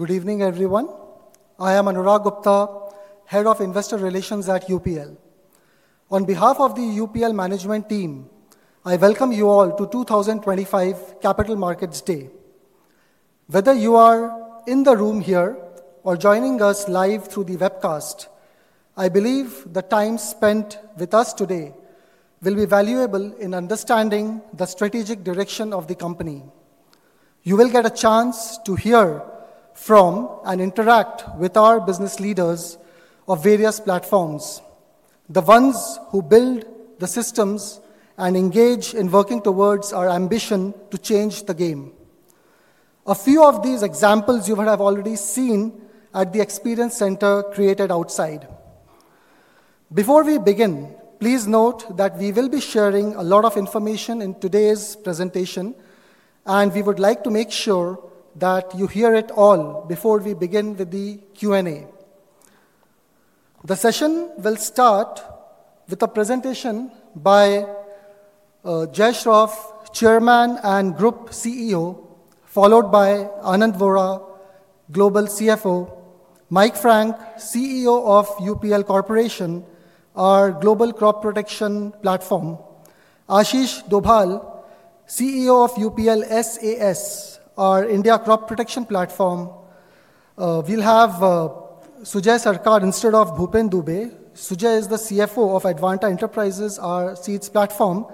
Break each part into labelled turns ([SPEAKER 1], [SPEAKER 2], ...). [SPEAKER 1] Good evening, everyone. I am Anurag Gupta, Head of Investor Relations at UPL. On behalf of the UPL management team, I welcome you all to 2025 Capital Markets Day. Whether you are in the room here or joining us live through the webcast, I believe the time spent with us today will be valuable in understanding the strategic direction of the company. You will get a chance to hear from and interact with our business leaders of various platforms, the ones who build the systems and engage in working towards our ambition to change the game. A few of these examples you have already seen at the experience center created outside. Before we begin, please note that we will be sharing a lot of information in today's presentation, and we would like to make sure that you hear it all before we begin with the Q&A. The session will start with a presentation by Jai Shroff, Chairman and Group CEO, followed by Anand Vora, Global CFO; Mike Frank, CEO of UPL Corporation, our Global Crop Protection Platform; Ashish Dobhal, CEO of UPL SAS, our India Crop Protection Platform. We'll have Sujay Sarkar instead of Bhupen Dubey. Sujay is the CFO of Advanta Enterprises, our seeds platform,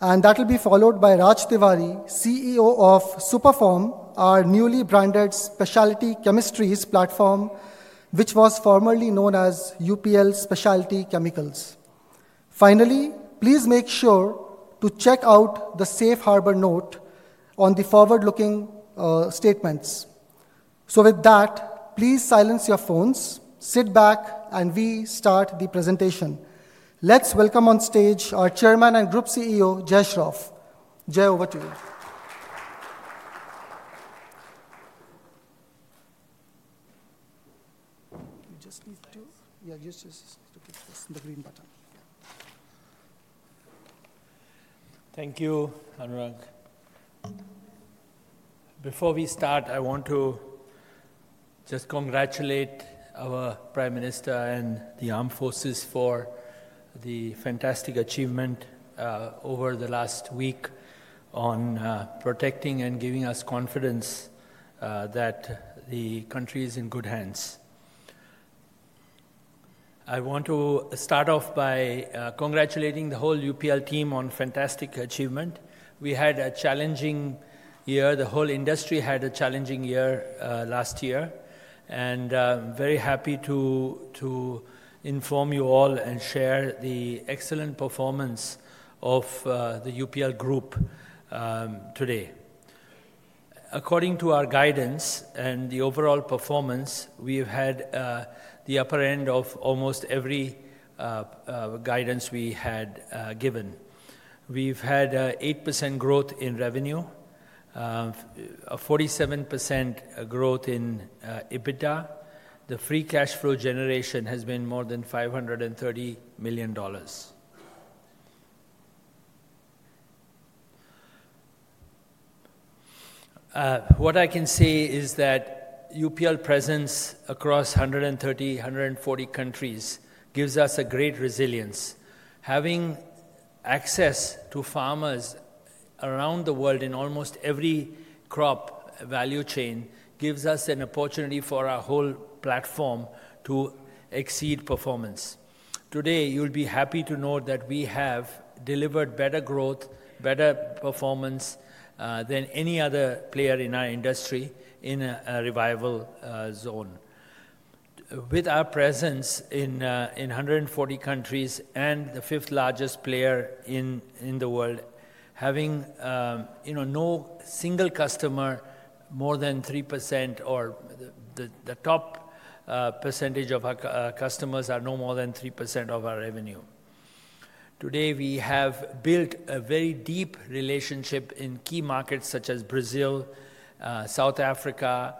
[SPEAKER 1] and that will be followed by Raj Tiwari, CEO of Superform, our newly branded specialty chemistries platform, which was formerly known as UPL Specialty Chemicals. Finally, please make sure to check out the safe harbor note on the forward-looking statements. With that, please silence your phones, sit back, and we start the presentation. Let's welcome on stage our Chairman and Group CEO, Jai Shroff. Jai, over to you.
[SPEAKER 2] Just need to, yeah, just to click the green button. Thank you, Anurag. Before we start, I want to just congratulate our Prime Minister and the armed forces for the fantastic achievement over the last week on protecting and giving us confidence that the country is in good hands. I want to start off by congratulating the whole UPL team on fantastic achievement. We had a challenging year. The whole industry had a challenging year last year, and I'm very happy to inform you all and share the excellent performance of the UPL group today. According to our guidance and the overall performance, we've had the upper end of almost every guidance we had given. We've had an 8% growth in revenue, a 47% growth in EBITDA. The free cash flow generation has been more than $530 million. What I can say is that UPL presence across 130-140 countries gives us a great resilience. Having access to farmers around the world in almost every crop value chain gives us an opportunity for our whole platform to exceed performance. Today, you'll be happy to know that we have delivered better growth, better performance than any other player in our industry in a revival zone. With our presence in 140 countries and the fifth largest player in the world, having no single customer more than 3% or the top percentage of our customers are no more than 3% of our revenue. Today, we have built a very deep relationship in key markets such as Brazil, South Africa,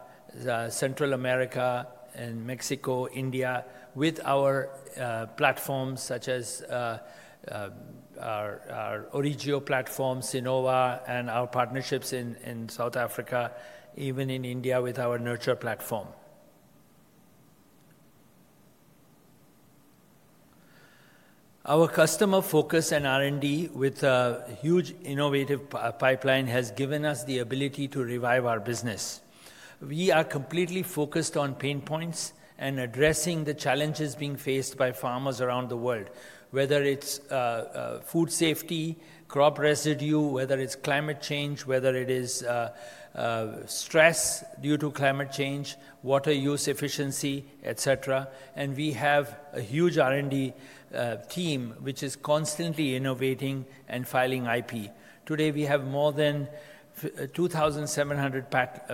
[SPEAKER 2] Central America, and Mexico, India, with our platforms such as our Origio platform, Sinova, and our partnerships in South Africa, even in India with our Nurture platform. Our customer focus and R&D with a huge innovative pipeline has given us the ability to revive our business. We are completely focused on pain points and addressing the challenges being faced by farmers around the world, whether it's food safety, crop residue, whether it's climate change, whether it is stress due to climate change, water use efficiency, et cetera. We have a huge R&D team which is constantly innovating and filing IP. Today, we have more than 2,700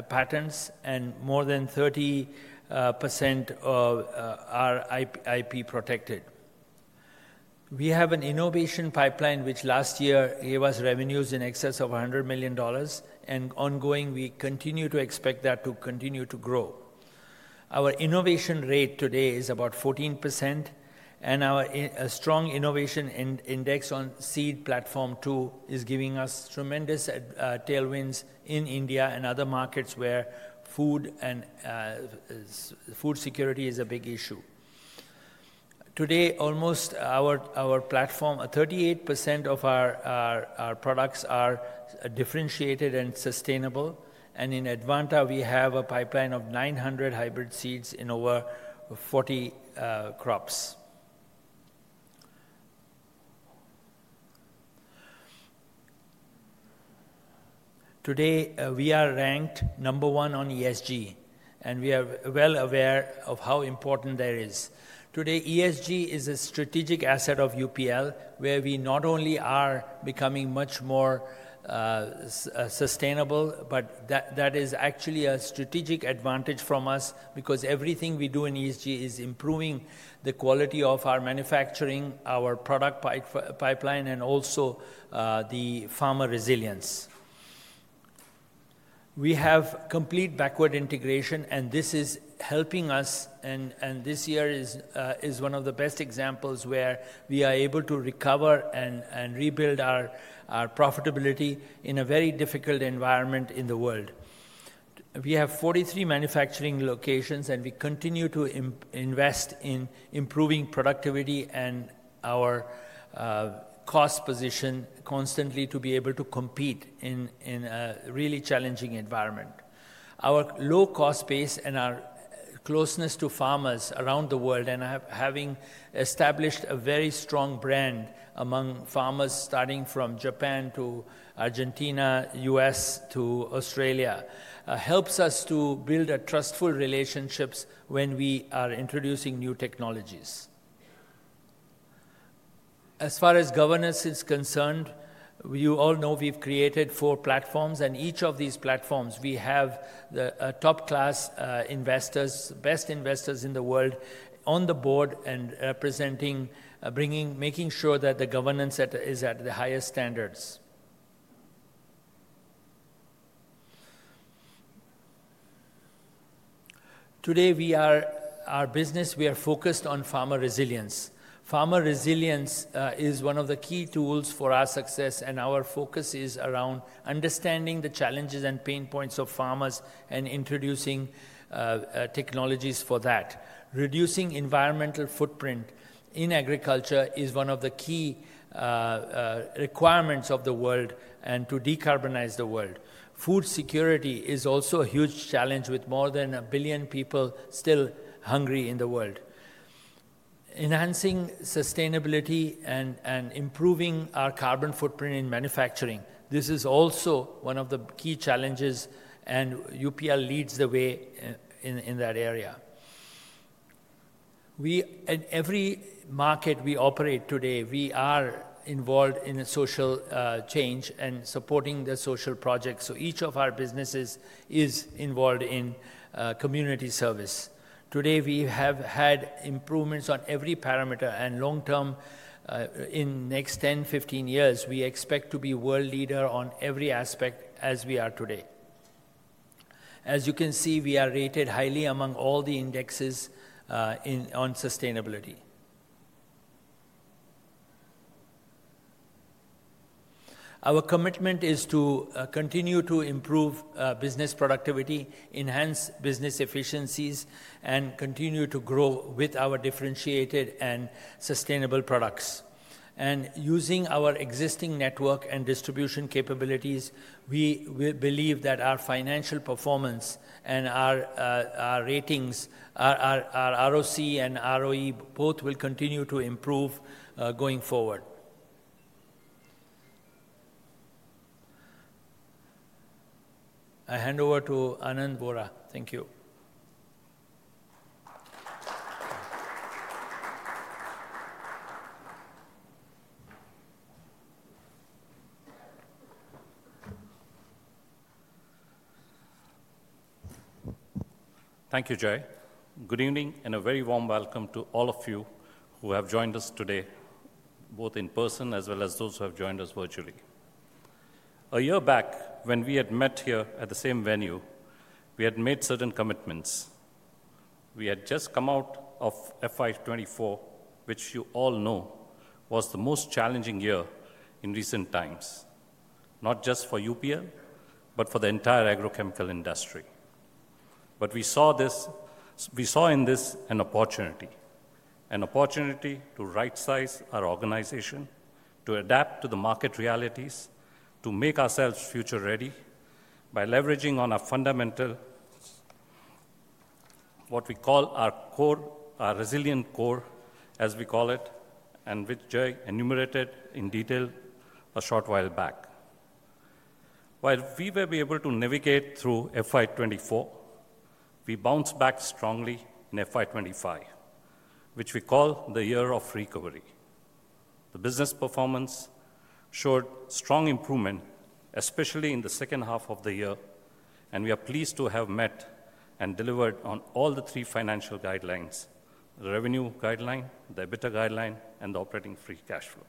[SPEAKER 2] patents and more than 30% of our IP protected. We have an innovation pipeline which last year gave us revenues in excess of $100 million, and ongoing, we continue to expect that to continue to grow. Our innovation rate today is about 14%, and our strong innovation index on seed platform two is giving us tremendous tailwinds in India and other markets where food security is a big issue. Today, almost our platform, 38% of our products are differentiated and sustainable, and in Advanta, we have a pipeline of 900 hybrid seeds in over 40 crops. Today, we are ranked number one on ESG, and we are well aware of how important that is. Today, ESG is a strategic asset of UPL, where we not only are becoming much more sustainable, but that is actually a strategic advantage from us because everything we do in ESG is improving the quality of our manufacturing, our product pipeline, and also the farmer resilience. We have complete backward integration, and this is helping us, and this year is one of the best examples where we are able to recover and rebuild our profitability in a very difficult environment in the world. We have 43 manufacturing locations, and we continue to invest in improving productivity and our cost position constantly to be able to compete in a really challenging environment. Our low-cost base and our closeness to farmers around the world, and having established a very strong brand among farmers starting from Japan to Argentina, US, to Australia, helps us to build trustful relationships when we are introducing new technologies. As far as governance is concerned, you all know we've created four platforms, and each of these platforms, we have the top-class investors, best investors in the world on the board and presenting, making sure that the governance is at the highest standards. Today, our business, we are focused on farmer resilience. Farmer resilience is one of the key tools for our success, and our focus is around understanding the challenges and pain points of farmers and introducing technologies for that. Reducing environmental footprint in agriculture is one of the key requirements of the world and to decarbonize the world. Food security is also a huge challenge with more than a billion people still hungry in the world. Enhancing sustainability and improving our carbon footprint in manufacturing, this is also one of the key challenges, and UPL leads the way in that area. In every market we operate today, we are involved in social change and supporting the social projects. Each of our businesses is involved in community service. Today, we have had improvements on every parameter, and long-term, in the next 10, 15 years, we expect to be world leader on every aspect as we are today. As you can see, we are rated highly among all the indexes on sustainability. Our commitment is to continue to improve business productivity, enhance business efficiencies, and continue to grow with our differentiated and sustainable products. Using our existing network and distribution capabilities, we believe that our financial performance and our ratings, our ROC and ROE, both will continue to improve going forward. I hand over to Anand Vora. Thank you.
[SPEAKER 3] Thank you, Jai. Good evening and a very warm welcome to all of you who have joined us today, both in person as well as those who have joined us virtually. A year back, when we had met here at the same venue, we had made certain commitments. We had just come out of FY 2024, which you all know was the most challenging year in recent times, not just for UPL, but for the entire agrochemical industry. We saw in this an opportunity, an opportunity to right-size our organization, to adapt to the market realities, to make ourselves future-ready by leveraging on our fundamental, what we call our resilient core, as we call it, and which Jai enumerated in detail a short while back. While we were able to navigate through FY 2024, we bounced back strongly in FY 2025, which we call the year of recovery. The business performance showed strong improvement, especially in the second half of the year, and we are pleased to have met and delivered on all the three financial guidelines: the revenue guideline, the EBITDA guideline, and the operating free cash flow.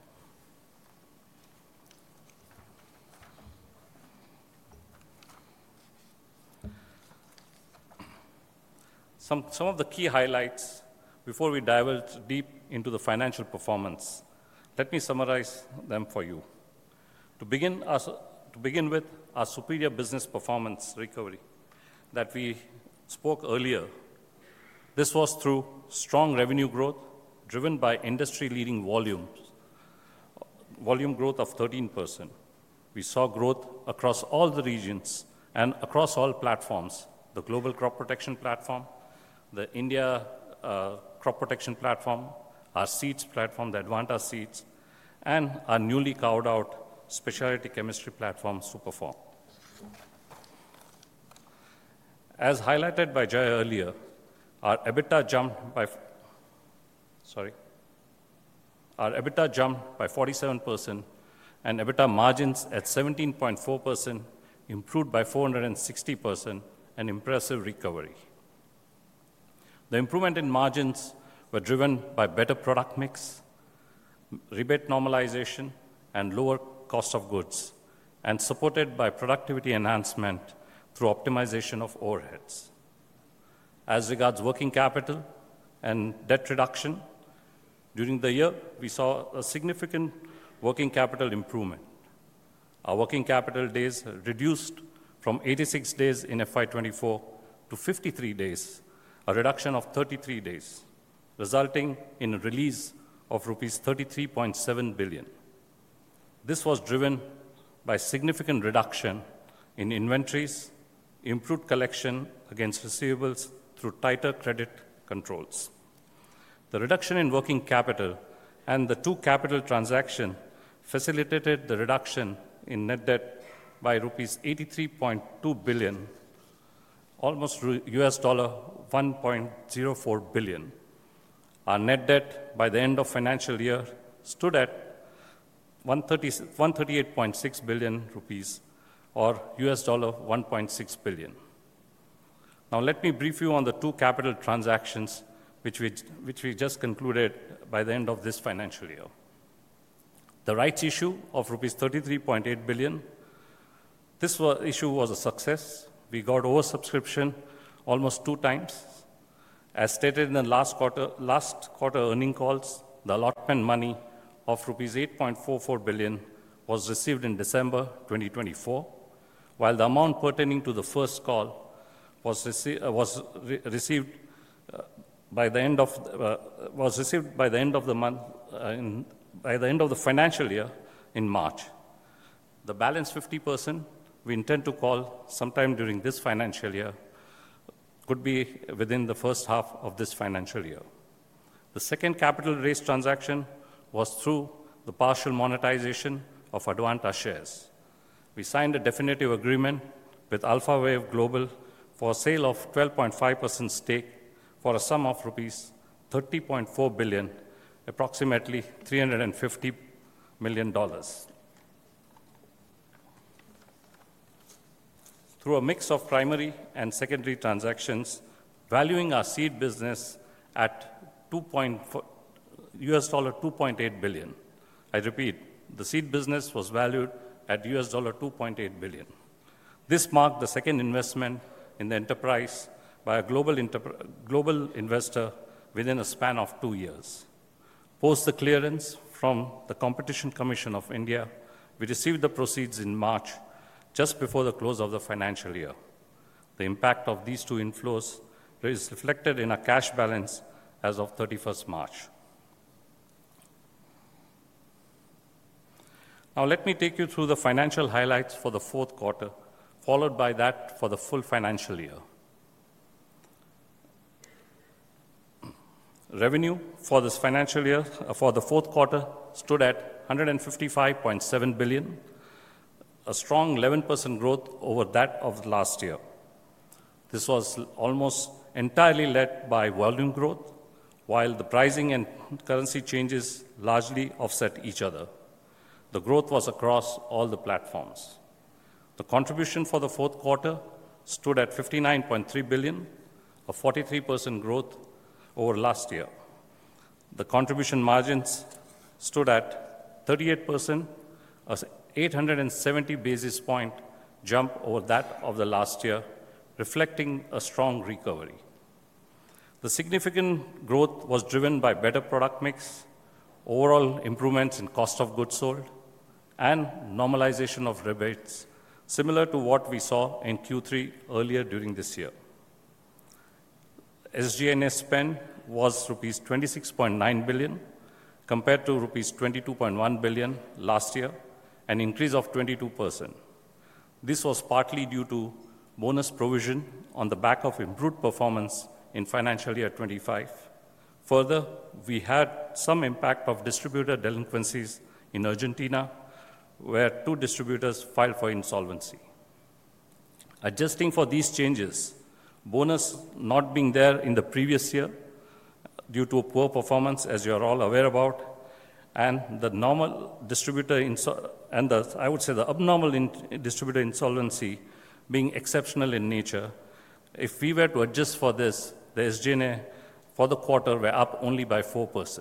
[SPEAKER 3] Some of the key highlights before we dive deep into the financial performance, let me summarize them for you. To begin with, our superior business performance recovery that we spoke earlier, this was through strong revenue growth driven by industry-leading volumes, volume growth of 13%. We saw growth across all the regions and across all platforms: the Global Crop Protection Platform, the India Crop Protection Platform, our seeds platform, the Advanta Seeds, and our newly carved-out specialty chemistry platform, Superform. As highlighted by Jai earlier, our EBITDA jumped by, sorry, our EBITDA jumped by 47%, and EBITDA margins at 17.4% improved by 460%, an impressive recovery. The improvement in margins was driven by better product mix, rebate normalization, and lower cost of goods, and supported by productivity enhancement through optimization of overheads. As regards working capital and debt reduction, during the year, we saw a significant working capital improvement. Our working capital days reduced from 86 days in FY 2024 to 53 days, a reduction of 33 days, resulting in a release of rupees 33.7 billion. This was driven by significant reduction in inventories, improved collection against receivables through tighter credit controls. The reduction in working capital and the two capital transactions facilitated the reduction in net debt by rupees 83.2 billion, almost $1.04 billion. Our net debt by the end of the financial year stood at 138.6 billion rupees, or $1.6 billion. Now, let me brief you on the two capital transactions which we just concluded by the end of this financial year. The rights issue of rupees 33.8 billion, this issue was a success. We got oversubscription almost two times. As stated in the last quarter earning calls, the allotment money of rupees 8.44 billion was received in December 2024, while the amount pertaining to the first call was received by the end of the month, by the end of the financial year in March. The balance 50% we intend to call sometime during this financial year could be within the first half of this financial year. The second capital-raised transaction was through the partial monetization of Advanta shares. We signed a definitive agreement with AlphaWave Global for a sale of 12.5% stake for a sum of rupees 30.4 billion, approximately $350 million. Through a mix of primary and secondary transactions, valuing our seed business at $2.8 billion. I repeat, the seed business was valued at $2.8 billion. This marked the second investment in the enterprise by a global investor within a span of two years. Post the clearance from the Competition Commission of India, we received the proceeds in March just before the close of the financial year. The impact of these two inflows is reflected in our cash balance as of 31st March. Now, let me take you through the financial highlights for the fourth quarter, followed by that for the full financial year. Revenue for the fourth quarter stood at 155.7 billion, a strong 11% growth over that of last year. This was almost entirely led by volume growth, while the pricing and currency changes largely offset each other. The growth was across all the platforms. The contribution for the fourth quarter stood at 59.3 billion, a 43% growth over last year. The contribution margins stood at 38%, an 870 basis point jump over that of the last year, reflecting a strong recovery. The significant growth was driven by better product mix, overall improvements in cost of goods sold, and normalization of rebates, similar to what we saw in Q3 earlier during this year. SG&S spend was rupees 26.9 billion compared to rupees 22.1 billion last year, an increase of 22%. This was partly due to bonus provision on the back of improved performance in financial year 2025. Further, we had some impact of distributor delinquencies in Argentina, where two distributors filed for insolvency. Adjusting for these changes, bonus not being there in the previous year due to poor performance, as you are all aware about, and the normal distributor, and I would say the abnormal distributor insolvency being exceptional in nature, if we were to adjust for this, the SG&A for the quarter were up only by 4%.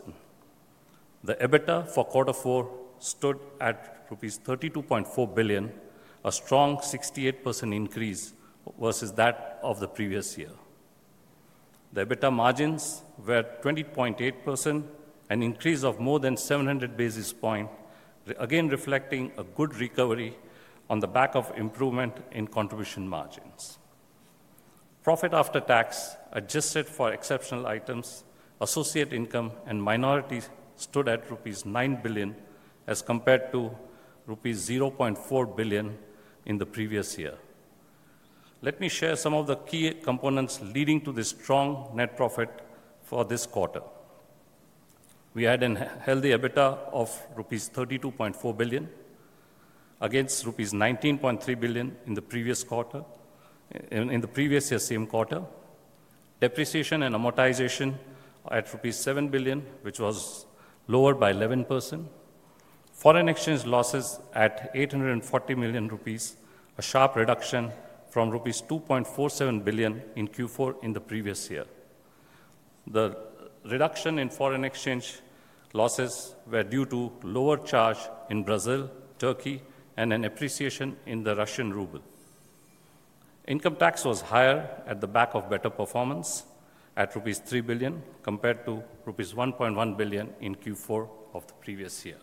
[SPEAKER 3] The EBITDA for quarter four stood at rupees 32.4 billion, a strong 68% increase versus that of the previous year. The EBITDA margins were 20.8%, an increase of more than 700 basis points, again reflecting a good recovery on the back of improvement in contribution margins. Profit after tax adjusted for exceptional items, associate income, and minority stood at rupees 9 billion as compared to rupees 0.4 billion in the previous year. Let me share some of the key components leading to the strong net profit for this quarter. We had a healthy EBITDA of rupees 32.4 billion against rupees 19.3 billion in the previous quarter, in the previous year's same quarter. Depreciation and amortization at rupees 7 billion, which was lower by 11%. Foreign exchange losses at 840 million rupees, a sharp reduction from rupees 2.47 billion in Q4 in the previous year. The reduction in foreign exchange losses were due to lower charge in Brazil, Turkey, and an appreciation in the Russian ruble. Income tax was higher at the back of better performance at rupees 3 billion compared to rupees 1.1 billion in Q4 of the previous year.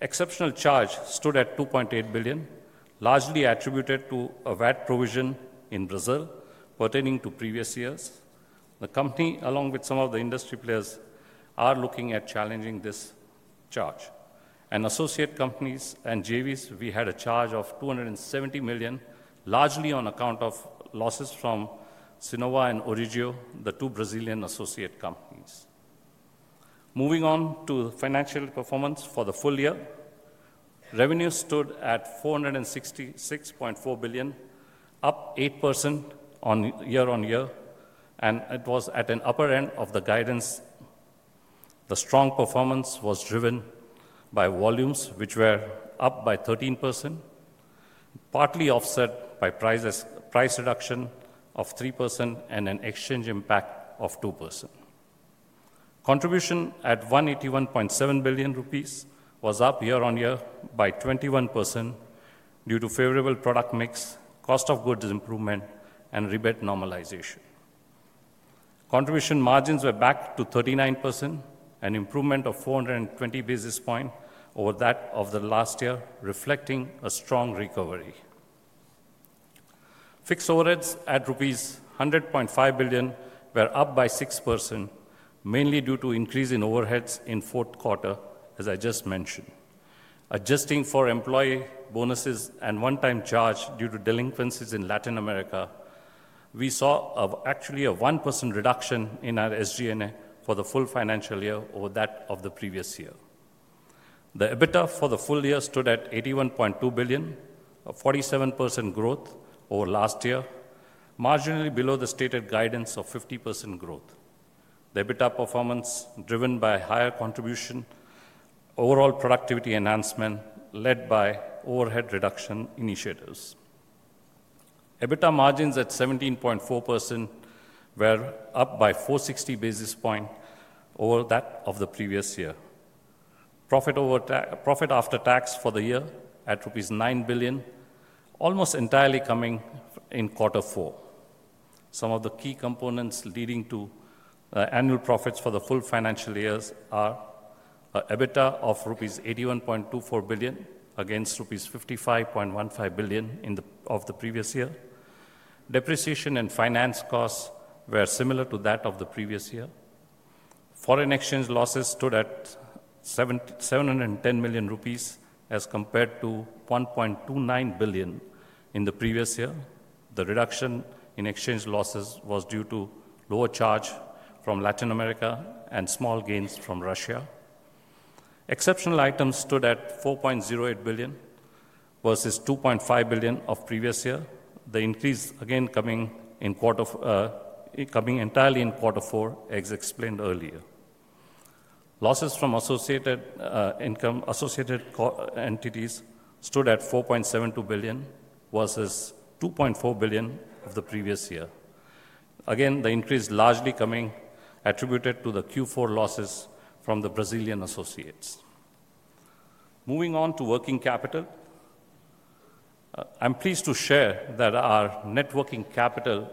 [SPEAKER 3] Exceptional charge stood at 2.8 billion, largely attributed to a VAT provision in Brazil pertaining to previous years. The company, along with some of the industry players, are looking at challenging this charge. Associate companies and JVs, we had a charge of $270 million, largely on account of losses from Sinova and Origio, the two Brazilian associate companies. Moving on to financial performance for the full year, revenue stood at 466.4 billion, up 8% year on year, and it was at an upper end of the guidance. The strong performance was driven by volumes, which were up by 13%, partly offset by price reduction of 3% and an exchange impact of 2%. Contribution at 181.7 billion rupees was up year on year by 21% due to favorable product mix, cost of goods improvement, and rebate normalization. Contribution margins were back to 39%, an improvement of 420 basis points over that of the last year, reflecting a strong recovery. Fixed overheads at rupees 100.5 billion were up by 6%, mainly due to increase in overheads in fourth quarter, as I just mentioned. Adjusting for employee bonuses and one-time charge due to delinquencies in Latin America, we saw actually a 1% reduction in our SG&A for the full financial year over that of the previous year. The EBITDA for the full year stood at Rs 81.2 billion, a 47% growth over last year, marginally below the stated guidance of 50% growth. The EBITDA performance driven by higher contribution, overall productivity enhancement led by overhead reduction initiatives. EBITDA margins at 17.4% were up by 460 basis points over that of the previous year. Profit after tax for the year at Rs 9 billion, almost entirely coming in quarter four. Some of the key components leading to annual profits for the full financial year are EBITDA of Rs 81.24 billion against Rs 55.15 billion of the previous year. Depreciation and finance costs were similar to that of the previous year. Foreign exchange losses stood at 710 million rupees as compared to 1.29 billion in the previous year. The reduction in exchange losses was due to lower charge from Latin America and small gains from Russia. Exceptional items stood at 4.08 billion versus 2.5 billion of previous year, the increase again coming entirely in quarter four, as explained earlier. Losses from associated entities stood at 4.72 billion versus 2.4 billion of the previous year. Again, the increase largely coming attributed to the Q4 losses from the Brazilian associates. Moving on to working capital, I'm pleased to share that our net working capital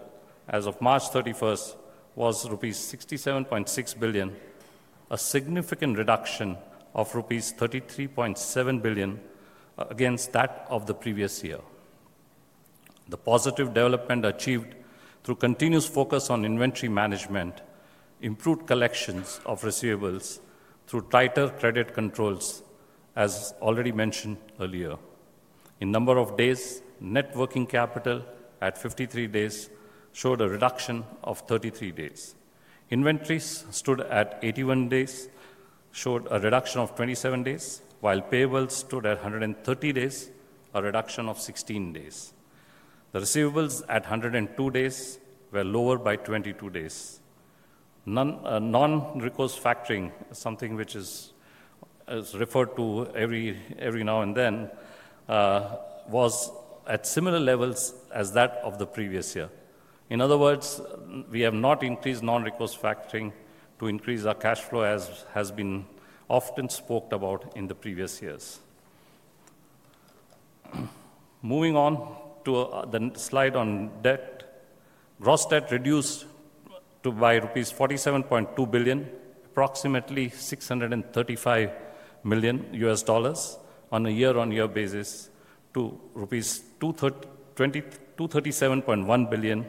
[SPEAKER 3] as of March 31st was rupees 67.6 billion, a significant reduction of rupees 33.7 billion against that of the previous year. The positive development achieved through continuous focus on inventory management improved collections of receivables through tighter credit controls, as already mentioned earlier. In number of days, net working capital at 53 days showed a reduction of 33 days. Inventories stood at 81 days, showed a reduction of 27 days, while payables stood at 130 days, a reduction of 16 days. The receivables at 102 days were lower by 22 days. Non-request factoring, something which is referred to every now and then, was at similar levels as that of the previous year. In other words, we have not increased non-request factoring to increase our cash flow, as has been often spoken about in the previous years. Moving on to the slide on debt, gross debt reduced by rupees 47.2 billion, approximately $635 million on a year-on-year basis to rupees 237.1 billion,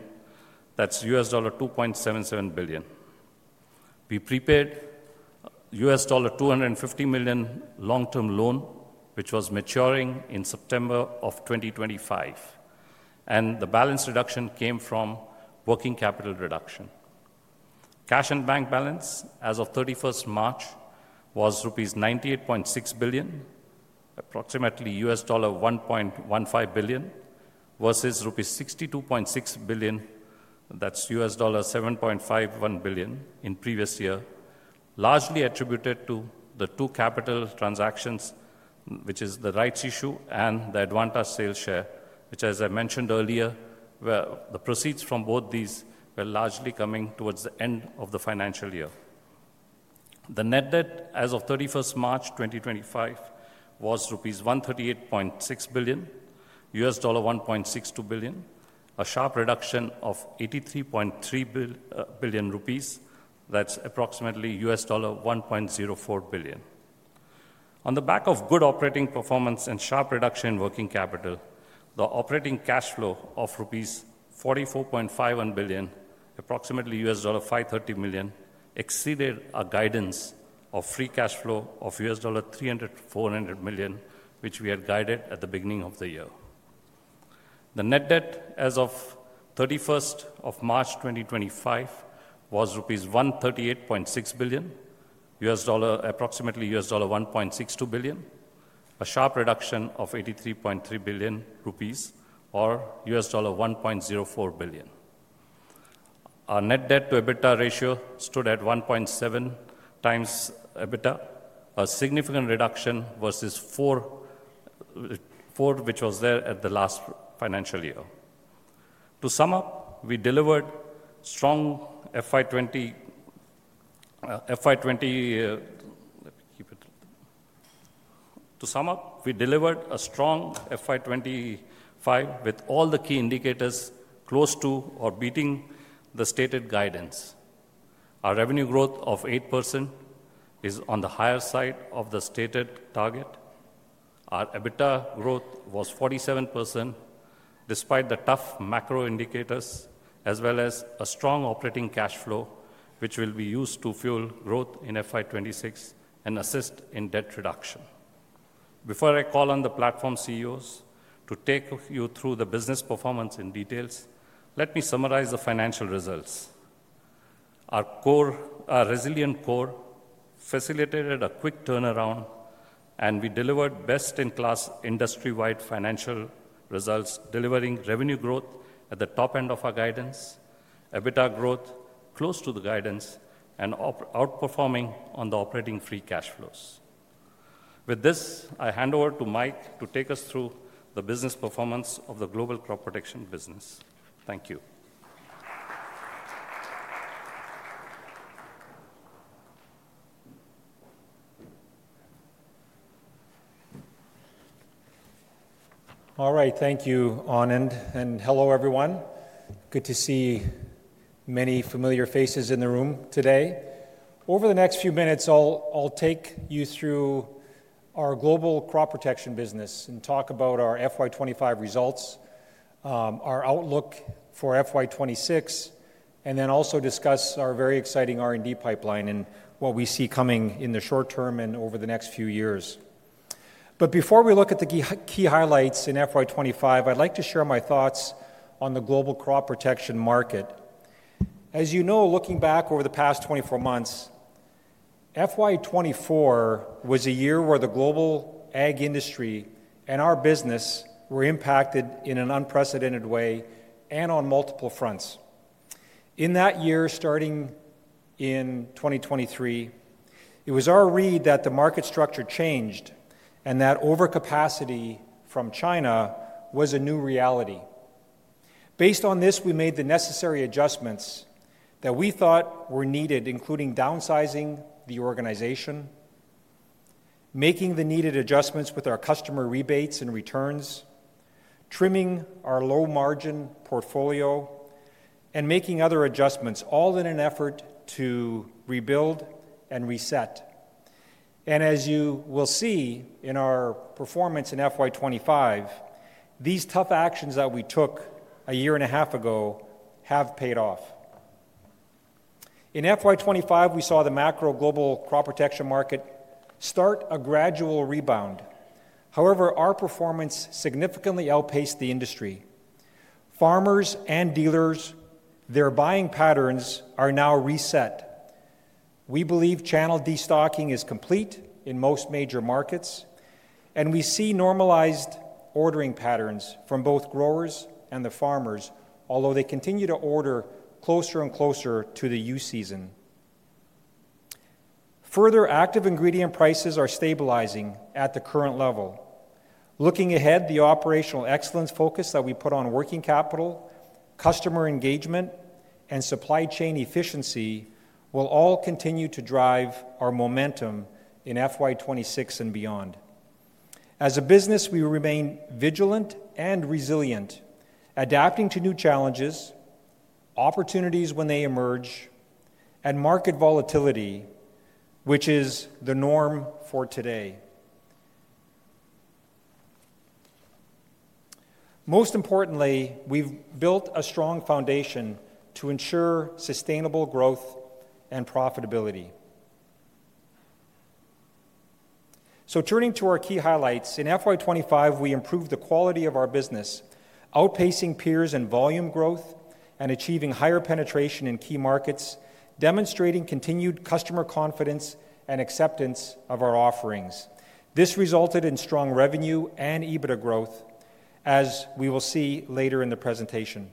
[SPEAKER 3] that's $2.77 billion. We prepared $250 million long-term loan, which was maturing in September of 2025, and the balance reduction came from working capital reduction. Cash and bank balance as of 31st March was rupees 98.6 billion, approximately $1.15 billion versus rupees 62.6 billion, that's $751 million in previous year, largely attributed to the two capital transactions, which is the rights issue and the Advanta sales share, which, as I mentioned earlier, the proceeds from both these were largely coming towards the end of the financial year. The net debt as of 31st March 2025 was rupees 138.6 billion, $1.62 billion, a sharp reduction of 83.3 billion rupees, that's approximately $1.04 billion. On the back of good operating performance and sharp reduction in working capital, the operating cash flow of rupees 44.51 billion, approximately $530 million, exceeded our guidance of free cash flow of $300-$400 million, which we had guided at the beginning of the year. The net debt as of 31st March 2025 was INR 138.6 billion, approximately $1.62 billion, a sharp reduction of 83.3 billion rupees or $1.04 billion. Our net debt to EBITDA ratio stood at 1.7x EBITDA, a significant reduction versus 4, which was there at the last financial year. To sum up, we delivered strong FY 2020. To sum up, we delivered a strong FY 2025 with all the key indicators close to or beating the stated guidance. Our revenue growth of 8% is on the higher side of the stated target. Our EBITDA growth was 47% despite the tough macro indicators, as well as a strong operating cash flow, which will be used to fuel growth in FY 2026 and assist in debt reduction. Before I call on the platform CEOs to take you through the business performance in details, let me summarize the financial results. Our resilient core facilitated a quick turnaround, and we delivered best-in-class industry-wide financial results, delivering revenue growth at the top end of our guidance, EBITDA growth close to the guidance, and outperforming on the operating free cash flows. With this, I hand over to Mike to take us through the business performance of the global crop protection business. Thank you.
[SPEAKER 4] All right, thank you, Anand. And hello, everyone. Good to see many familiar faces in the room today. Over the next few minutes, I'll take you through our global crop protection business and talk about our FY 2025 results, our outlook for FY 2026, and then also discuss our very exciting R&D pipeline and what we see coming in the short term and over the next few years. Before we look at the key highlights in FY 2025, I'd like to share my thoughts on the global crop protection market. As you know, looking back over the past 24 months, FY 2024 was a year where the global ag industry and our business were impacted in an unprecedented way and on multiple fronts. In that year, starting in 2023, it was our read that the market structure changed and that overcapacity from China was a new reality. Based on this, we made the necessary adjustments that we thought were needed, including downsizing the organization, making the needed adjustments with our customer rebates and returns, trimming our low-margin portfolio, and making other adjustments, all in an effort to rebuild and reset. As you will see in our performance in FY 2025, these tough actions that we took a year and a half ago have paid off. In FY 2025, we saw the macro global crop protection market start a gradual rebound. However, our performance significantly outpaced the industry. Farmers and dealers, their buying patterns are now reset. We believe channel destocking is complete in most major markets, and we see normalized ordering patterns from both growers and the farmers, although they continue to order closer and closer to the U season. Further, active ingredient prices are stabilizing at the current level. Looking ahead, the operational excellence focus that we put on working capital, customer engagement, and supply chain efficiency will all continue to drive our momentum in FY 2026 and beyond. As a business, we remain vigilant and resilient, adapting to new challenges, opportunities when they emerge, and market volatility, which is the norm for today. Most importantly, we've built a strong foundation to ensure sustainable growth and profitability. Turning to our key highlights, in FY 2025, we improved the quality of our business, outpacing peers in volume growth and achieving higher penetration in key markets, demonstrating continued customer confidence and acceptance of our offerings. This resulted in strong revenue and EBITDA growth, as we will see later in the presentation.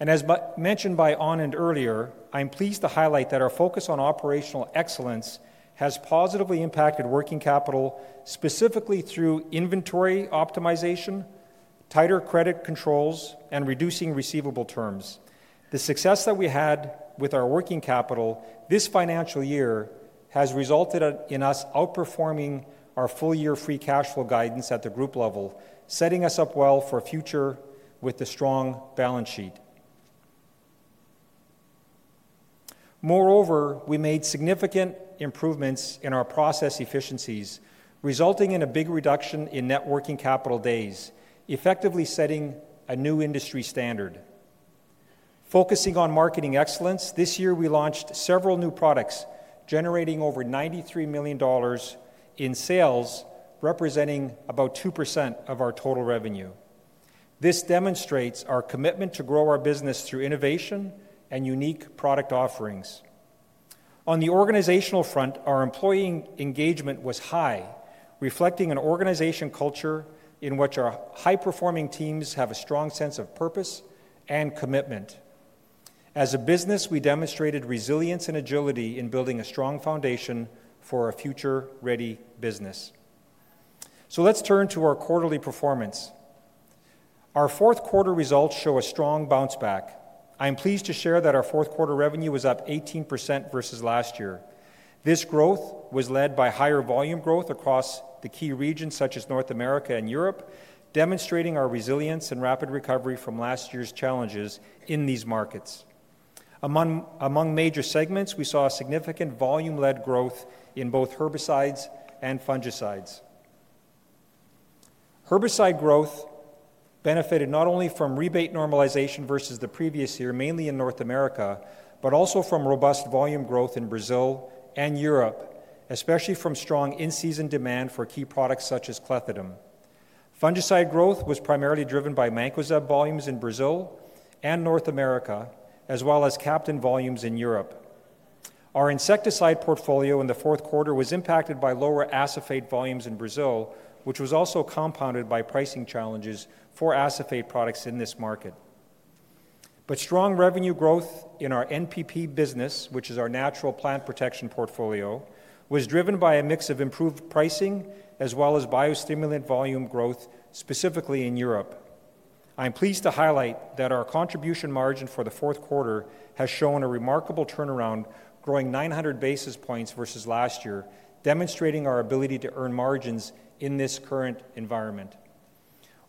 [SPEAKER 4] As mentioned by Anand earlier, I'm pleased to highlight that our focus on operational excellence has positively impacted working capital, specifically through inventory optimization, tighter credit controls, and reducing receivable terms. The success that we had with our working capital this financial year has resulted in us outperforming our full-year free cash flow guidance at the group level, setting us up well for future with a strong balance sheet. Moreover, we made significant improvements in our process efficiencies, resulting in a big reduction in net working capital days, effectively setting a new industry standard. Focusing on marketing excellence, this year we launched several new products generating over $93 million in sales, representing about 2% of our total revenue. This demonstrates our commitment to grow our business through innovation and unique product offerings. On the organizational front, our employee engagement was high, reflecting an organization culture in which our high-performing teams have a strong sense of purpose and commitment. As a business, we demonstrated resilience and agility in building a strong foundation for a future-ready business. Let's turn to our quarterly performance. Our fourth quarter results show a strong bounce back. I'm pleased to share that our fourth quarter revenue was up 18% versus last year. This growth was led by higher volume growth across the key regions such as North America and Europe, demonstrating our resilience and rapid recovery from last year's challenges in these markets. Among major segments, we saw significant volume-led growth in both herbicides and fungicides. Herbicide growth benefited not only from rebate normalization versus the previous year, mainly in North America, but also from robust volume growth in Brazil and Europe, especially from strong in-season demand for key products such as clethodim. Fungicide growth was primarily driven by mancozeb volumes in Brazil and North America, as well as Captan volumes in Europe. Our insecticide portfolio in the fourth quarter was impacted by lower acephate volumes in Brazil, which was also compounded by pricing challenges for acephate products in this market. Strong revenue growth in our NPP business, which is our Natural Plant Protection portfolio, was driven by a mix of improved pricing as well as biostimulant volume growth, specifically in Europe. I'm pleased to highlight that our contribution margin for the fourth quarter has shown a remarkable turnaround, growing 900 basis points versus last year, demonstrating our ability to earn margins in this current environment.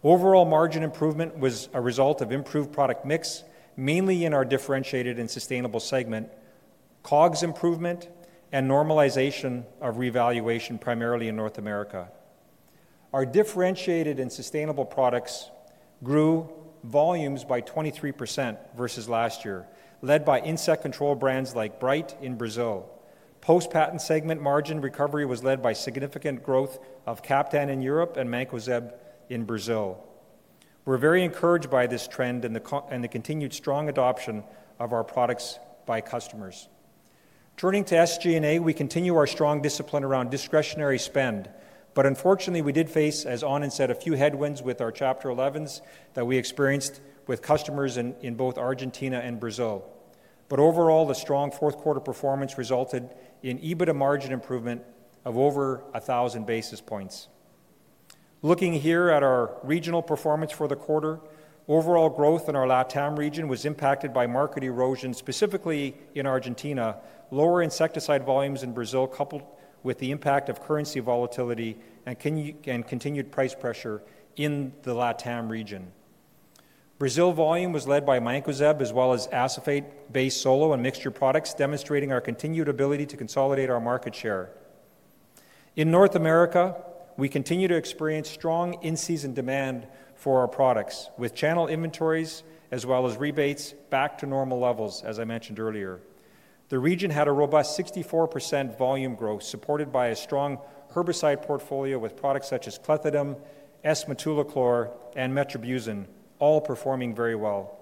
[SPEAKER 4] Overall margin improvement was a result of improved product mix, mainly in our differentiated and sustainable segment, COGS improvement, and normalization of revaluation, primarily in North America. Our differentiated and sustainable products grew volumes by 23% versus last year, led by insect control brands like Bright in Brazil. Post-patent segment margin recovery was led by significant growth of Captan in Europe and Mancozeb in Brazil. We're very encouraged by this trend and the continued strong adoption of our products by customers. Turning to SG&A, we continue our strong discipline around discretionary spend, but unfortunately, we did face, as Anand said, a few headwinds with our Chapter 11s that we experienced with customers in both Argentina and Brazil. Overall, the strong fourth quarter performance resulted in EBITDA margin improvement of over 1,000 basis points. Looking here at our regional performance for the quarter, overall growth in our LATAM region was impacted by market erosion, specifically in Argentina. Lower insecticide volumes in Brazil, coupled with the impact of currency volatility and continued price pressure in the LATAM region. Brazil volume was led by mancozeb as well as acephate-based solo and mixture products, demonstrating our continued ability to consolidate our market share. In North America, we continue to experience strong in-season demand for our products, with channel inventories as well as rebates back to normal levels, as I mentioned earlier. The region had a robust 64% volume growth, supported by a strong herbicide portfolio with products such as Clethodim, S-Metolachlor, and Metribuzin, all performing very well.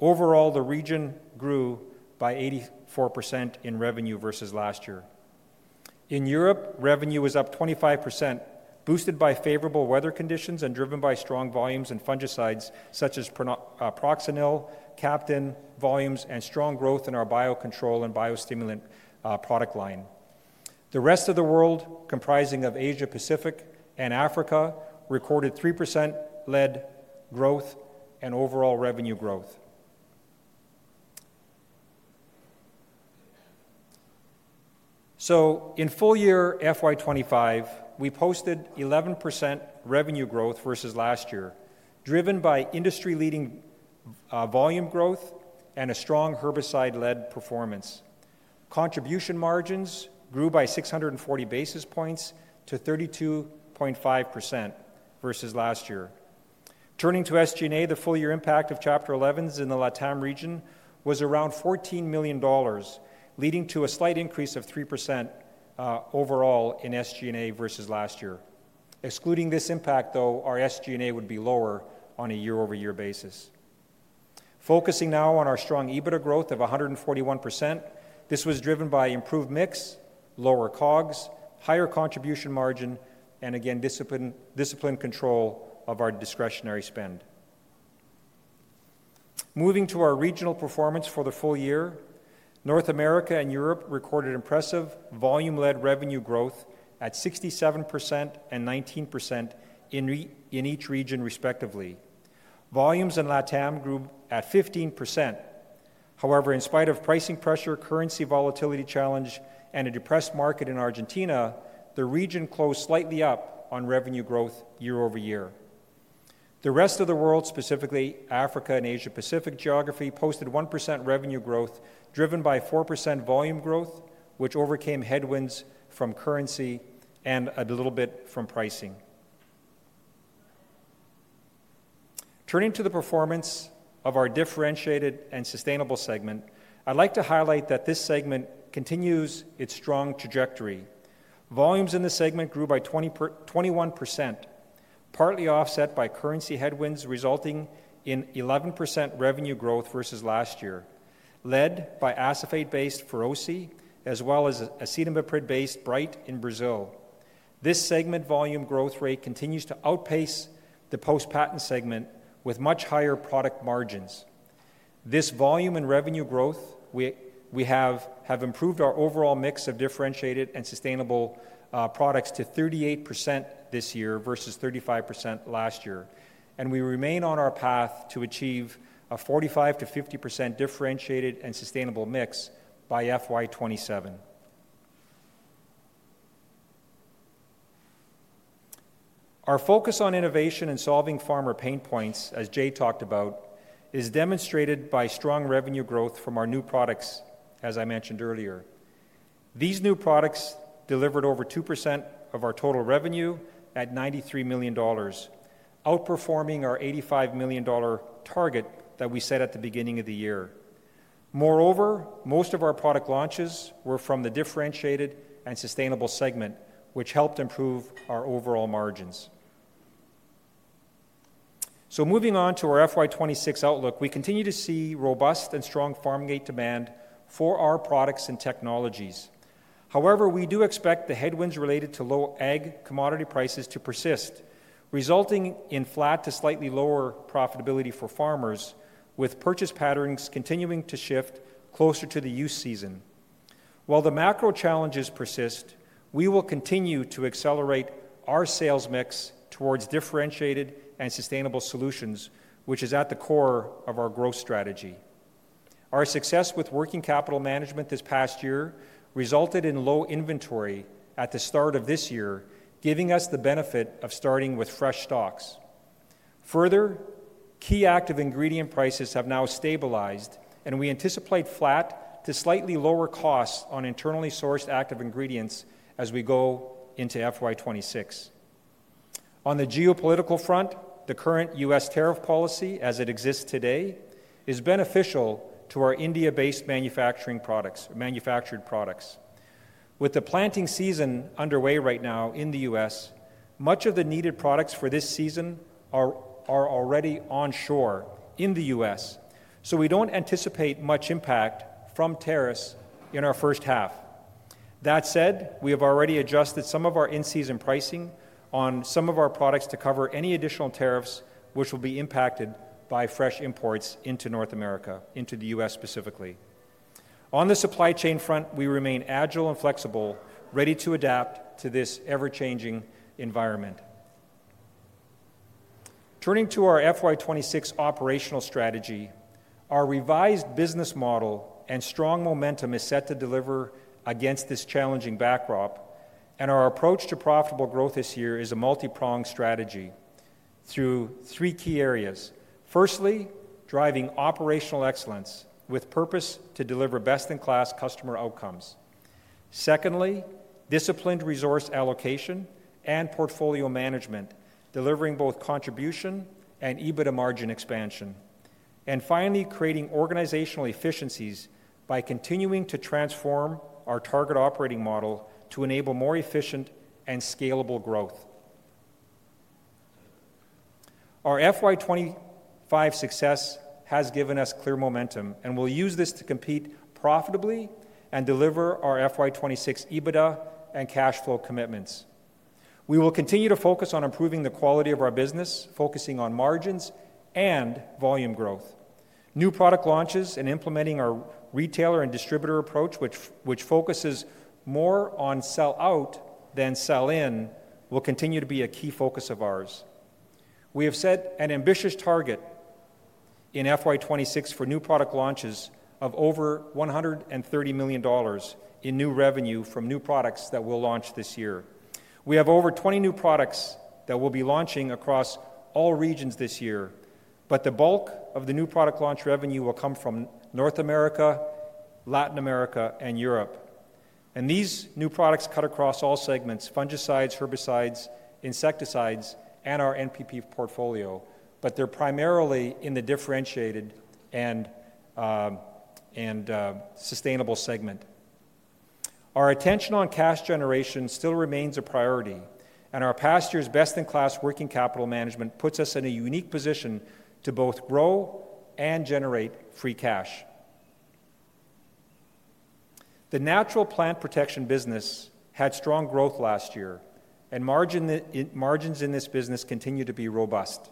[SPEAKER 4] Overall, the region grew by 84% in revenue versus last year. In Europe, revenue was up 25%, boosted by favorable weather conditions and driven by strong volumes and fungicides such as Proxanil, Captan volumes, and strong growth in our biocontrol and biostimulant product line. The rest of the world, comprising Asia-Pacific and Africa, recorded 3% lead growth and overall revenue growth. In full year FY 2025, we posted 11% revenue growth versus last year, driven by industry-leading volume growth and a strong herbicide-led performance. Contribution margins grew by 640 basis points to 32.5% versus last year. Turning to SG&A, the full-year impact of Chapter 11s in the LATAM region was around $14 million, leading to a slight increase of 3% overall in SG&A versus last year. Excluding this impact, though, our SG&A would be lower on a year-over-year basis. Focusing now on our strong EBITDA growth of 141%, this was driven by improved mix, lower COGS, higher contribution margin, and again, discipline control of our discretionary spend. Moving to our regional performance for the full year, North America and Europe recorded impressive volume-led revenue growth at 67% and 19% in each region, respectively. Volumes in LATAM grew at 15%. However, in spite of pricing pressure, currency volatility challenge, and a depressed market in Argentina, the region closed slightly up on revenue growth year-over-year. The rest of the world, specifically Africa and Asia-Pacific geography, posted 1% revenue growth, driven by 4% volume growth, which overcame headwinds from currency and a little bit from pricing. Turning to the performance of our differentiated and sustainable segment, I'd like to highlight that this segment continues its strong trajectory. Volumes in the segment grew by 21%, partly offset by currency headwinds, resulting in 11% revenue growth versus last year, led by acephate-based Faroci, as well as Bright in Brazil. This segment volume growth rate continues to outpace the post-patent segment with much higher product margins. This volume and revenue growth, we have improved our overall mix of differentiated and sustainable products to 38% this year versus 35% last year. We remain on our path to achieve a 45%-50% differentiated and sustainable mix by FY 2027. Our focus on innovation and solving farmer pain points, as Jai talked about, is demonstrated by strong revenue growth from our new products, as I mentioned earlier. These new products delivered over 2% of our total revenue at $93 million, outperforming our $85 million target that we set at the beginning of the year. Moreover, most of our product launches were from the differentiated and sustainable segment, which helped improve our overall margins. Moving on to our FY 2026 outlook, we continue to see robust and strong farm gate demand for our products and technologies. However, we do expect the headwinds related to low ag commodity prices to persist, resulting in flat to slightly lower profitability for farmers, with purchase patterns continuing to shift closer to the U season. While the macro challenges persist, we will continue to accelerate our sales mix towards differentiated and sustainable solutions, which is at the core of our growth strategy. Our success with working capital management this past year resulted in low inventory at the start of this year, giving us the benefit of starting with fresh stocks. Further, key active ingredient prices have now stabilized, and we anticipate flat to slightly lower costs on internally sourced active ingredients as we go into FY 2026. On the geopolitical front, the current U.S. tariff policy, as it exists today, is beneficial to our India-based manufacturing products. With the planting season underway right now in the U.S., much of the needed products for this season are already onshore in the U.S., so we do not anticipate much impact from tariffs in our first half. That said, we have already adjusted some of our in-season pricing on some of our products to cover any additional tariffs, which will be impacted by fresh imports into North America, into the U.S. specifically. On the supply chain front, we remain agile and flexible, ready to adapt to this ever-changing environment. Turning to our FY 2026 operational strategy, our revised business model and strong momentum is set to deliver against this challenging backdrop, and our approach to profitable growth this year is a multi-pronged strategy through three key areas. Firstly, driving operational excellence with purpose to deliver best-in-class customer outcomes. Secondly, disciplined resource allocation and portfolio management, delivering both contribution and EBITDA margin expansion. Finally, creating organizational efficiencies by continuing to transform our target operating model to enable more efficient and scalable growth. Our FY 2025 success has given us clear momentum, and we'll use this to compete profitably and deliver our FY 2026 EBITDA and cash flow commitments. We will continue to focus on improving the quality of our business, focusing on margins and volume growth. New product launches and implementing our retailer and distributor approach, which focuses more on sell-out than sell-in, will continue to be a key focus of ours. We have set an ambitious target in FY 2026 for new product launches of over $130 million in new revenue from new products that we'll launch this year. We have over 20 new products that we'll be launching across all regions this year, but the bulk of the new product launch revenue will come from North America, Latin America, and Europe. These new products cut across all segments: fungicides, herbicides, insecticides, and our NPP portfolio, but they're primarily in the differentiated and sustainable segment. Our attention on cash generation still remains a priority, and our past year's best-in-class working capital management puts us in a unique position to both grow and generate free cash. The natural plant protection business had strong growth last year, and margins in this business continue to be robust.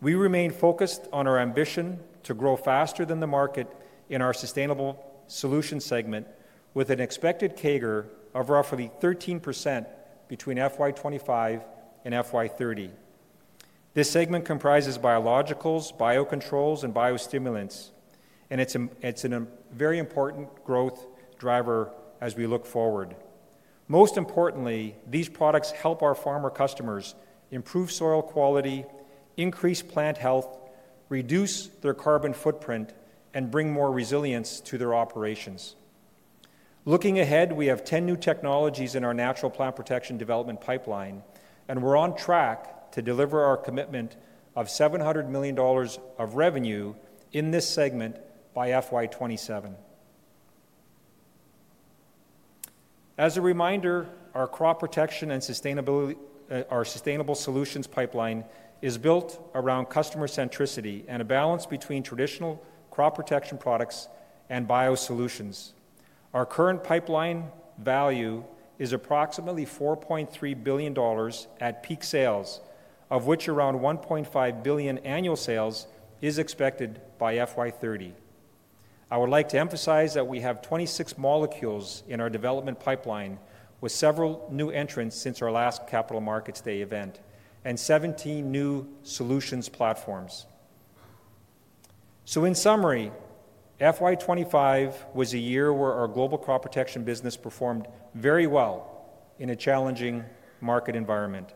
[SPEAKER 4] We remain focused on our ambition to grow faster than the market in our sustainable solution segment, with an expected CAGR of roughly 13% between FY 2025 and FY 2030. This segment comprises biologicals, biocontrols, and biostimulants, and it's a very important growth driver as we look forward. Most importantly, these products help our farmer customers improve soil quality, increase plant health, reduce their carbon footprint, and bring more resilience to their operations. Looking ahead, we have 10 new technologies in our natural plant protection development pipeline, and we're on track to deliver our commitment of $700 million of revenue in this segment by FY 2027. As a reminder, our crop protection and sustainable solutions pipeline is built around customer centricity and a balance between traditional crop protection products and bio solutions. Our current pipeline value is approximately $4.3 billion at peak sales, of which around $1.5 billion annual sales is expected by FY 2030. I would like to emphasize that we have 26 molecules in our development pipeline, with several new entrants since our last Capital Markets Day event, and 17 new solutions platforms. In summary, FY 2025 was a year where our global crop protection business performed very well in a challenging market environment.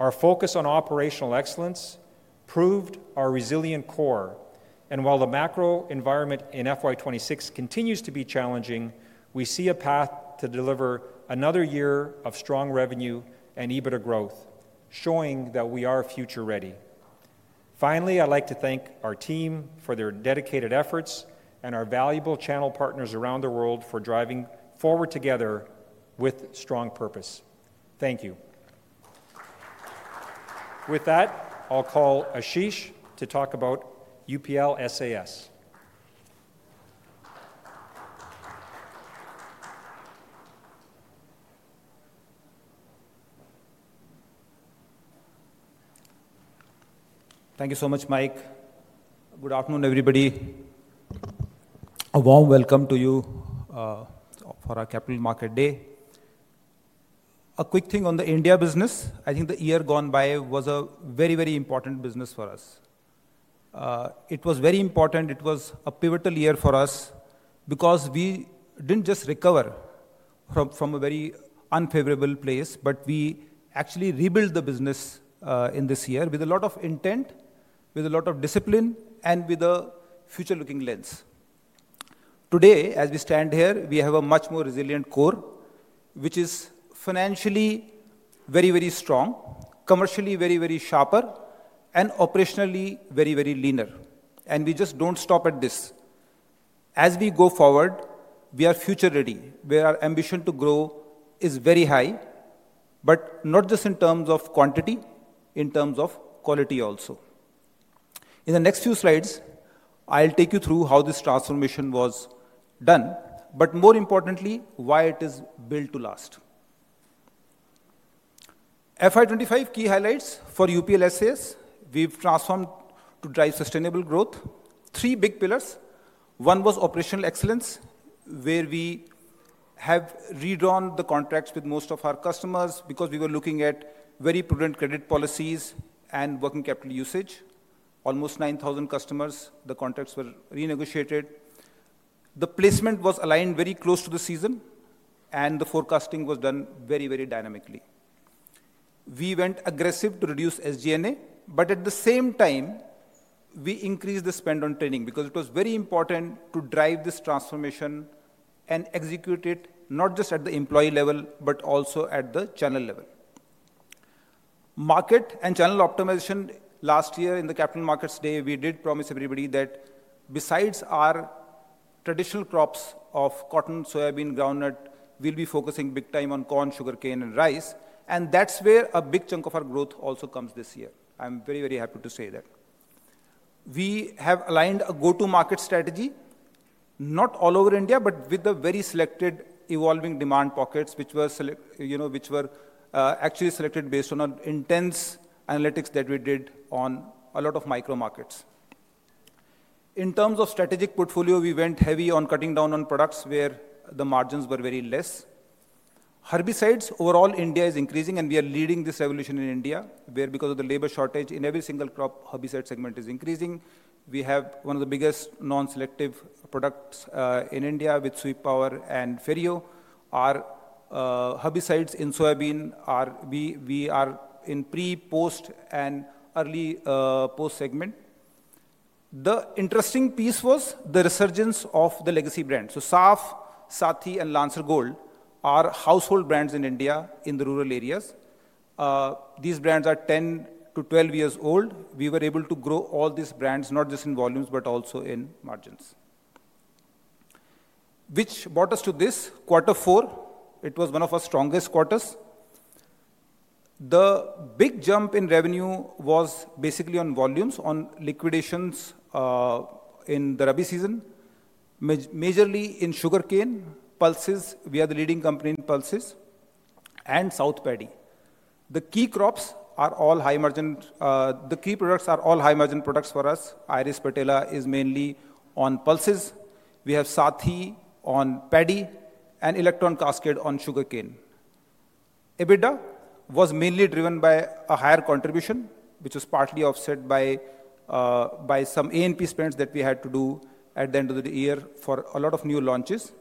[SPEAKER 4] Our focus on operational excellence proved our resilient core. While the macro environment in FY 2026 continues to be challenging, we see a path to deliver another year of strong revenue and EBITDA growth, showing that we are future-ready. Finally, I'd like to thank our team for their dedicated efforts and our valuable channel partners around the world for driving forward together with strong purpose. Thank you. With that, I'll call Ashish to talk about UPL SAS.
[SPEAKER 5] Thank you so much, Mike. Good afternoon, everybody. A warm welcome to you for our Capital Markets Day. A quick thing on the India business, I think the year gone by was a very, very important business for us. It was very important. It was a pivotal year for us because we did not just recover from a very unfavorable place, but we actually rebuilt the business in this year with a lot of intent, with a lot of discipline, and with a future-looking lens. Today, as we stand here, we have a much more resilient core, which is financially very, very strong, commercially very, very sharper, and operationally very, very leaner. We just do not stop at this. As we go forward, we are future-ready. Our ambition to grow is very high, not just in terms of quantity, in terms of quality also. In the next few slides, I will take you through how this transformation was done, but more importantly, why it is built to last. FY 2025 key highlights for UPL SAS, we have transformed to drive sustainable growth. Three big pillars. One was operational excellence, where we have redrawn the contracts with most of our customers because we were looking at very prudent credit policies and working capital usage. Almost 9,000 customers, the contracts were renegotiated. The placement was aligned very close to the season, and the forecasting was done very, very dynamically. We went aggressive to reduce SG&A, but at the same time, we increased the spend on training because it was very important to drive this transformation and execute it not just at the employee level, but also at the channel level. Market and channel optimization last year in the Capital Markets Day, we did promise everybody that besides our traditional crops of cotton, soybean, groundnut, we'll be focusing big time on corn, sugarcane, and rice. That's where a big chunk of our growth also comes this year. I'm very, very happy to say that. We have aligned a go-to-market strategy, not all over India, but with the very selected evolving demand pockets, which were actually selected based on our intense analytics that we did on a lot of micro markets. In terms of strategic portfolio, we went heavy on cutting down on products where the margins were very less. Herbicides, overall, India is increasing, and we are leading this evolution in India, where because of the labor shortage in every single crop, herbicide segment is increasing. We have one of the biggest non-selective products in India with Sweep Power and Ferio. Our herbicides in soybean, we are in pre, post, and early post segment. The interesting piece was the resurgence of the legacy brands. Saf, Sati, and Lancer Gold are household brands in India in the rural areas. These brands are 10 to 12 years old. We were able to grow all these brands, not just in volumes, but also in margins, which brought us to this quarter four. It was one of our strongest quarters. The big jump in revenue was basically on volumes, on liquidations in the rabbi season, majorly in sugarcane, pulses. We are the leading company in pulses and South Paddy. The key crops are all high margin. The key products are all high margin products for us. Iris Patela is mainly on pulses. We have Sati on Paddy and Electron Cascade on sugarcane. EBITDA was mainly driven by a higher contribution, which was partly offset by some ANP spends that we had to do at the end of the year for a lot of new launches.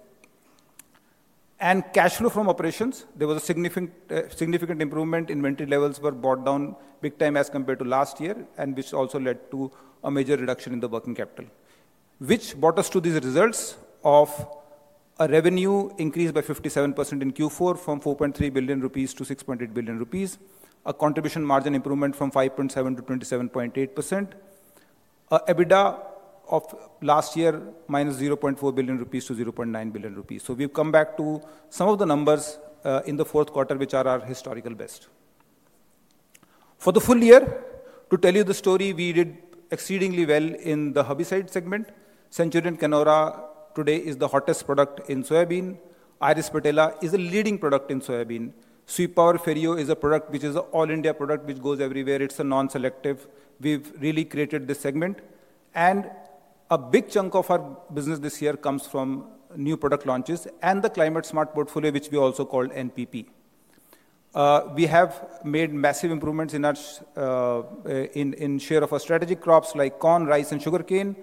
[SPEAKER 5] Cash flow from operations, there was a significant improvement. Inventory levels were brought down big time as compared to last year, which also led to a major reduction in the working capital, which brought us to these results of a revenue increase by 57% in Q4 from $4.3 billion-$6.8 billion, a contribution margin improvement from 5.7%-27.8%, an EBITDA of last year -$0.4 billion to $0.9 billion. We've come back to some of the numbers in the fourth quarter, which are our historical best. For the full year, to tell you the story, we did exceedingly well in the herbicide segment. Centurion Canora today is the hottest product in soybean. Iris Patela is a leading product in soybean. Sweep Power Ferio is a product which is an all-India product which goes everywhere. It's a non-selective. We've really created this segment. A big chunk of our business this year comes from new product launches and the climate smart portfolio, which we also called NPP. We have made massive improvements in share of our strategic crops like corn, rice, and sugarcane,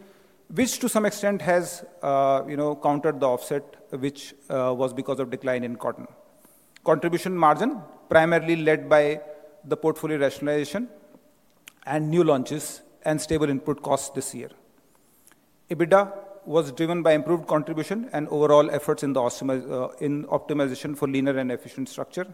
[SPEAKER 5] which to some extent has countered the offset, which was because of decline in cotton. Contribution margin primarily led by the portfolio rationalization and new launches and stable input costs this year. EBITDA was driven by improved contribution and overall efforts in optimization for leaner and efficient structure.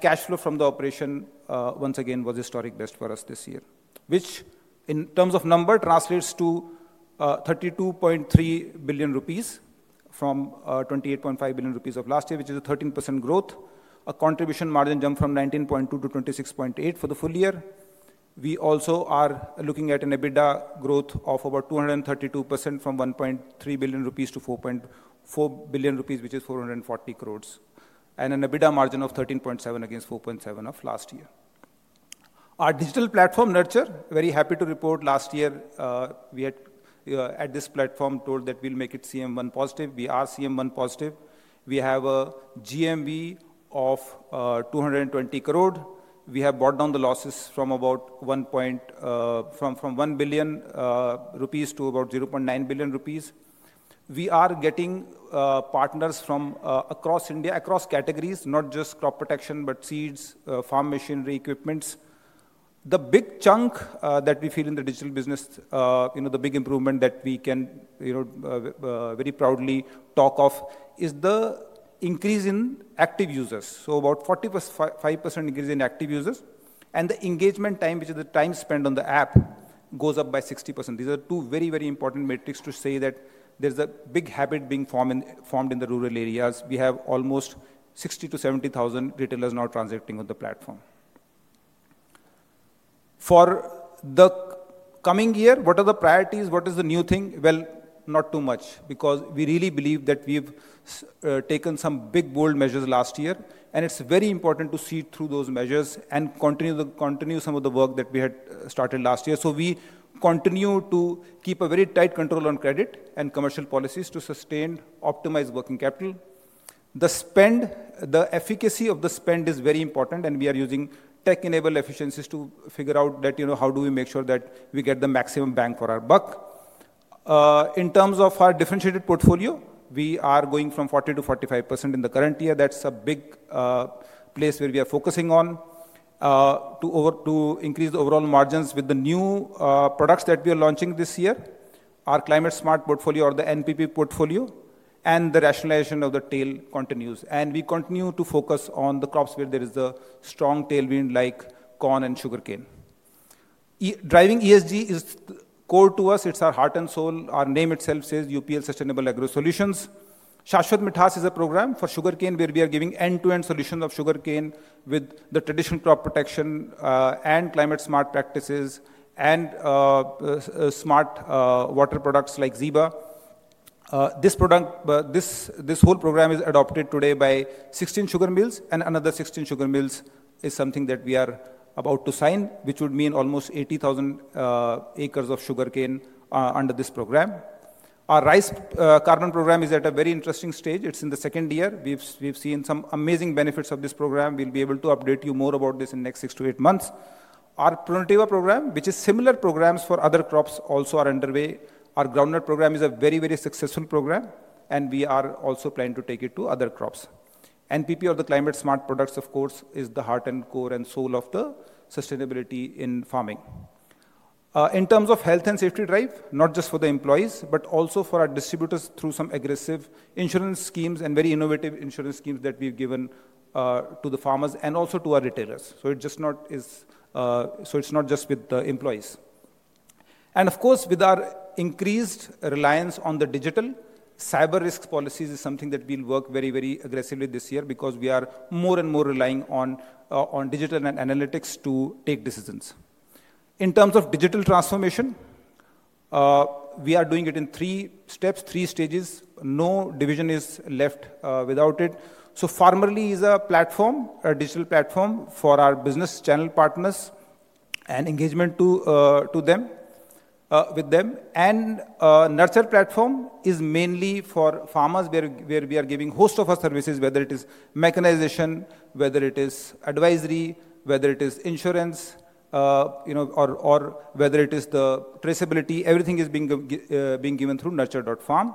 [SPEAKER 5] Cash flow from the operation, once again, was historic best for us this year, which in terms of number translates to $32.3 billion from $28.5 billion of last year, which is a 13% growth. A contribution margin jump from $19.2-$26.8 for the full year. We also are looking at an EBITDA growth of over 232% from $1.3 billion-$4.4 billion, which is 440 crore, and an EBITDA margin of 13.7% against 4.7% of last year. Our digital platform Nurture, very happy to report last year, we at this platform told that we'll make it CM1 positive. We are CM1 positive. We have a GMV of 220 crore. We have brought down the losses from about $1 billion to about $0.9 billion. We are getting partners from across India, across categories, not just crop protection, but seeds, farm machinery, equipments. The big chunk that we feel in the digital business, the big improvement that we can very proudly talk of is the increase in active users. So about 45% increase in active users. And the engagement time, which is the time spent on the app, goes up by 60%. These are two very, very important metrics to say that there's a big habit being formed in the rural areas. We have almost 60,000-70,000 retailers now transacting with the platform. For the coming year, what are the priorities? What is the new thing? Not too much because we really believe that we've taken some big bold measures last year. It is very important to see through those measures and continue some of the work that we had started last year. We continue to keep a very tight control on credit and commercial policies to sustain optimized working capital. The spend, the efficacy of the spend is very important, and we are using tech-enabled efficiencies to figure out how do we make sure that we get the maximum bang for our buck. In terms of our differentiated portfolio, we are going from 40%-45% in the current year. That's a big place where we are focusing on to increase the overall margins with the new products that we are launching this year, our climate smart portfolio or the NPP portfolio, and the rationalization of the tail continues. We continue to focus on the crops where there is a strong tailwind like corn and sugarcane. Driving ESG is core to us. It's our heart and soul. Our name itself says UPL Sustainable Agro Solutions. Shashwath Mithas is a program for sugarcane where we are giving end-to-end solutions of sugarcane with the traditional crop protection and climate smart practices and smart water products like Zeba. This whole program is adopted today by 16 sugar mills, and another 16 sugar mills is something that we are about to sign, which would mean almost 80,000 acres of sugarcane under this program. Our rice carbon program is at a very interesting stage. It is in the second year. We have seen some amazing benefits of this program. We will be able to update you more about this in the next six to eight months. Our prunative program, which is similar programs for other crops, also are underway. Our groundnut program is a very, very successful program, and we are also planning to take it to other crops. NPP or the climate smart products, of course, is the heart and core and soul of the sustainability in farming. In terms of health and safety drive, not just for the employees, but also for our distributors through some aggressive insurance schemes and very innovative insurance schemes that we've given to the farmers and also to our retailers. It is just not just with the employees. Of course, with our increased reliance on the digital, cyber risk policies is something that we'll work very, very aggressively this year because we are more and more relying on digital and analytics to take decisions. In terms of digital transformation, we are doing it in three steps, three stages. No division is left without it. Farmerly is a platform, a digital platform for our business channel partners and engagement to them with them. Nurture Platform is mainly for farmers where we are giving a host of our services, whether it is mechanization, whether it is advisory, whether it is insurance, or whether it is the traceability. Everything is being given through nurture.farm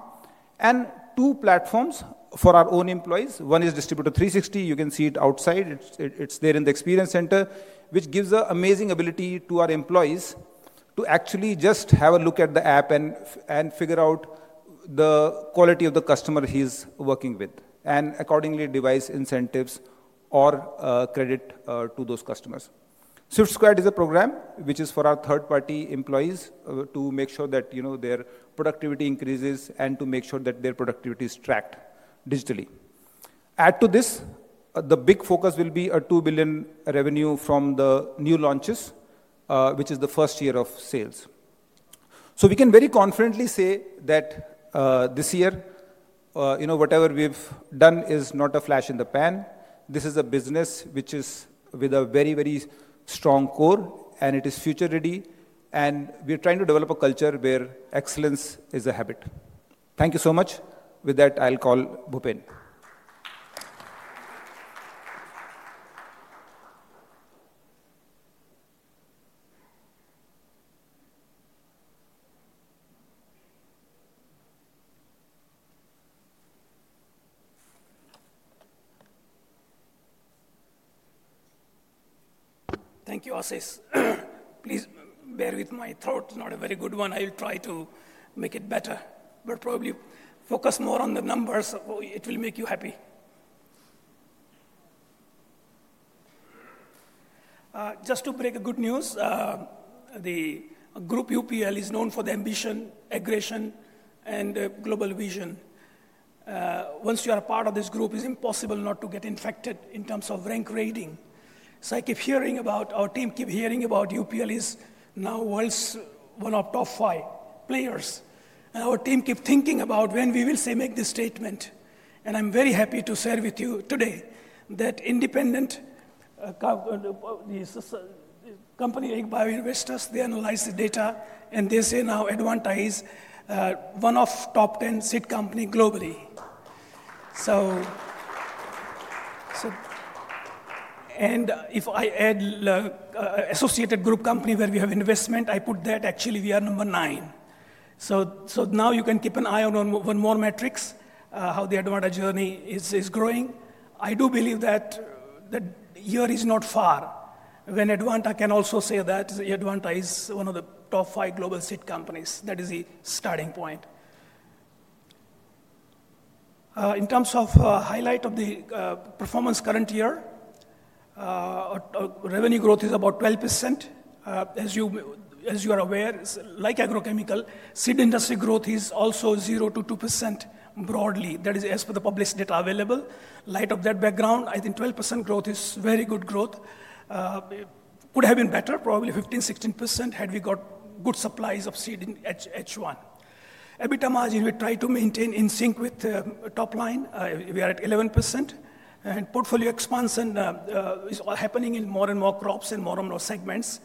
[SPEAKER 5] and two platforms for our own employees. One is Distributor 360. You can see it outside. It's there in the experience center, which gives an amazing ability to our employees to actually just have a look at the app and figure out the quality of the customer he's working with and accordingly devise incentives or credit to those customers. Swift Squad is a program which is for our third-party employees to make sure that their productivity increases and to make sure that their productivity is tracked digitally. Add to this, the big focus will be a $2 billion revenue from the new launches, which is the first year of sales. We can very confidently say that this year, whatever we've done is not a flash in the pan. This is a business which is with a very, very strong core, and it is future-ready. We're trying to develop a culture where excellence is a habit. Thank you so much. With that, I'll call Bhupen.
[SPEAKER 6] Thank you, Ashish. Please bear with my throat. It's not a very good one. I'll try to make it better, but probably focus more on the numbers. It will make you happy. Just to break a good news, the group UPL is known for the ambition, aggression, and global vision. Once you are a part of this group, it's impossible not to get infected in terms of rank rating. I keep hearing about our team. Keep hearing about UPL is now world's one of top five players. Our team keep thinking about when we will say make this statement. I am very happy to share with you today that independent company like Bioinvestors, they analyze the data and they say now Advanta is one of top 10 seed companies globally. If I add associated group company where we have investment, I put that actually we are number nine. You can keep an eye on one more metrics, how the Advanta journey is growing. I do believe that the year is not far when Advanta can also say that Advanta is one of the top five global seed companies. That is the starting point. In terms of highlight of the performance current year, revenue growth is about 12%. As you are aware, like agrochemical, seed industry growth is also 0%-2% broadly. That is as per the published data available. Light of that background, I think 12% growth is very good growth. It would have been better, probably 15%-16% had we got good supplies of seed in H1. EBITDA margin, we try to maintain in sync with top line. We are at 11%. Portfolio expansion is happening in more and more crops and more and more segments.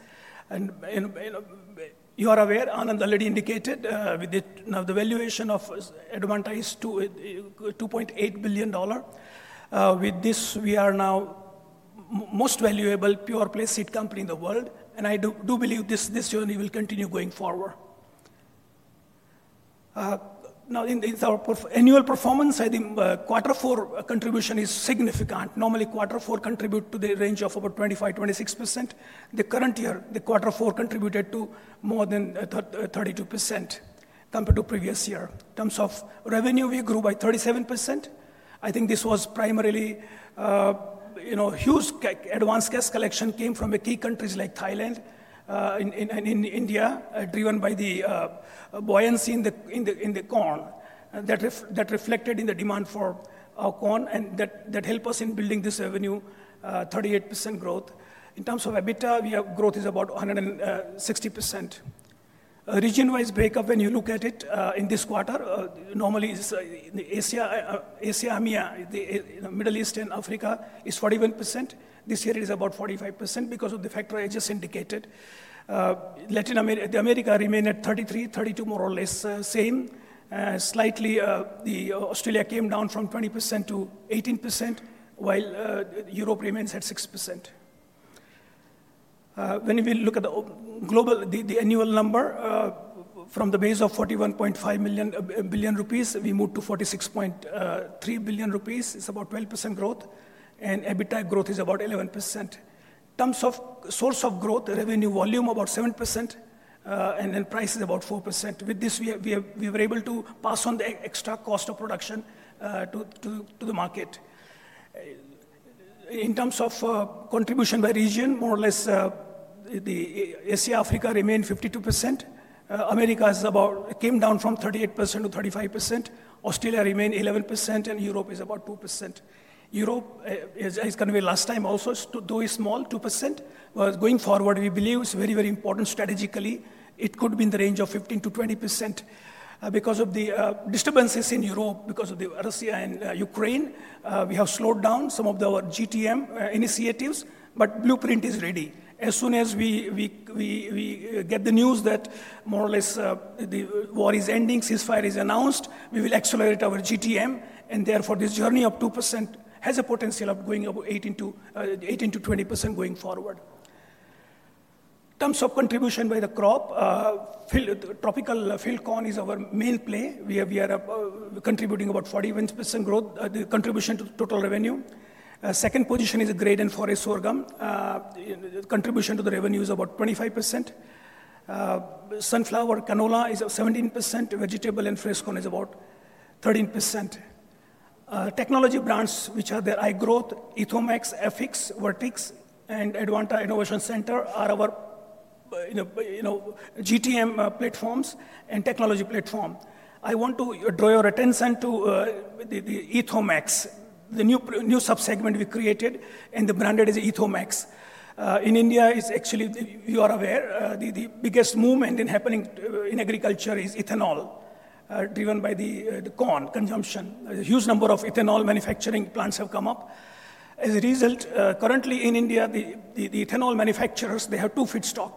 [SPEAKER 6] You are aware, Anand already indicated, with the valuation of Advanta is $2.8 billion. With this, we are now most valuable pure play seed company in the world. I do believe this journey will continue going forward. Now, in our annual performance, I think quarter four contribution is significant. Normally, quarter four contribute to the range of about 25%-26%. The current year, the quarter four contributed to more than 32% compared to previous year. In terms of revenue, we grew by 37%. I think this was primarily huge advanced cash collection came from key countries like Thailand and India, driven by the buoyancy in the corn that reflected in the demand for corn and that helped us in building this revenue, 38% growth. In terms of EBITDA, growth is about 160%. Region-wise breakup, when you look at it in this quarter, normally it is Asia-MEA, Middle East and Africa is 41%. This year, it is about 45% because of the factor I just indicated. The America remain at 33%, 32% more or less same. Slightly, Australia came down from 20%-18%, while Europe remains at 6%. When we look at the annual number, from the base of $41.5 billion, we moved to $46.3 billion. It is about 12% growth. EBITDA growth is about 11%. In terms of source of growth, revenue volume about 7%, and then price is about 4%. With this, we were able to pass on the extra cost of production to the market. In terms of contribution by region, more or less, Asia-Africa remained 52%. America came down from 38%-35%. Australia remained 11%, and Europe is about 2%. Europe is going to be last time also to do a small 2%. Going forward, we believe it's very, very important strategically. It could be in the range of 15%-20%. Because of the disturbances in Europe, because of the Russia and Ukraine, we have slowed down some of our GTM initiatives, but blueprint is ready. As soon as we get the news that more or less the war is ending, ceasefire is announced, we will accelerate our GTM. Therefore, this journey of 2% has a potential of going up 8%-20% going forward. In terms of contribution by the crop, tropical field corn is our main play. We are contributing about 41% growth, the contribution to total revenue. Second position is grain and forage sorghum. The contribution to the revenue is about 25%. Sunflower, canola is 17%. Vegetable and fresh corn is about 13%. Technology brands, which are the iGrowth, Ethomax, Effix, Vertix, and Advanta Innovation Center, are our GTM platforms and technology platform. I want to draw your attention to the Ethomax, the new subsegment we created, and the branded is Ethomax. In India, it's actually, you are aware, the biggest movement happening in agriculture is ethanol driven by the corn consumption. A huge number of ethanol manufacturing plants have come up. As a result, currently in India, the ethanol manufacturers, they have two feedstock.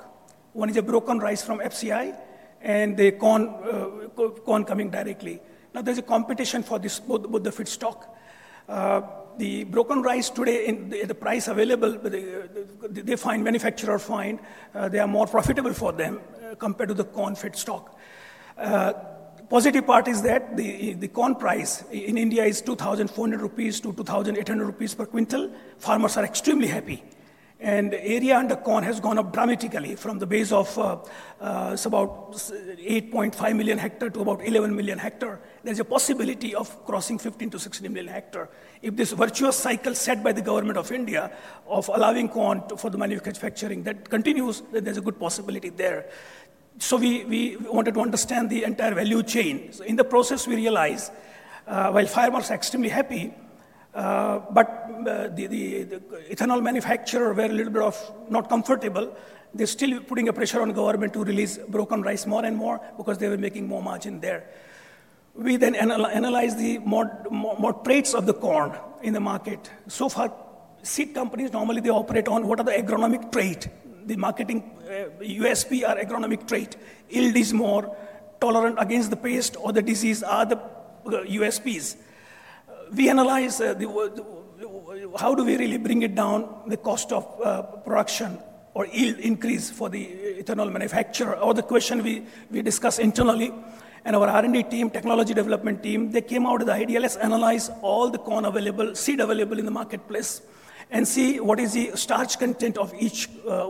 [SPEAKER 6] One is broken rice from FCI and the corn coming directly. Now, there's a competition for both the feedstock. The broken rice today, the price available, they find manufacturers find they are more profitable for them compared to the corn feedstock. Positive part is that the corn price in India is 2,400-2,800 rupees per quintal. Farmers are extremely happy. And area under corn has gone up dramatically from the base of about 8.5 million hectares to about 11 million hectares. There's a possibility of crossing 15-16 million hectares. If this virtuous cycle set by the government of India of allowing corn for the manufacturing that continues, then there's a good possibility there. So we wanted to understand the entire value chain. In the process, we realized while farmers are extremely happy, but the ethanol manufacturers were a little bit not comfortable. They're still putting a pressure on government to release broken rice more and more because they were making more margin there. We then analyzed the more traits of the corn in the market. So far, seed companies, normally they operate on what are the agronomic trait. The marketing USP are agronomic trait. Yield is more tolerant against the pest or the disease are the USPs. We analyze how do we really bring it down the cost of production or yield increase for the ethanol manufacturer or the question we discuss internally. And our R&D team, technology development team, they came out with the idea let's analyze all the corn available, seed available in the marketplace and see what is the starch content of each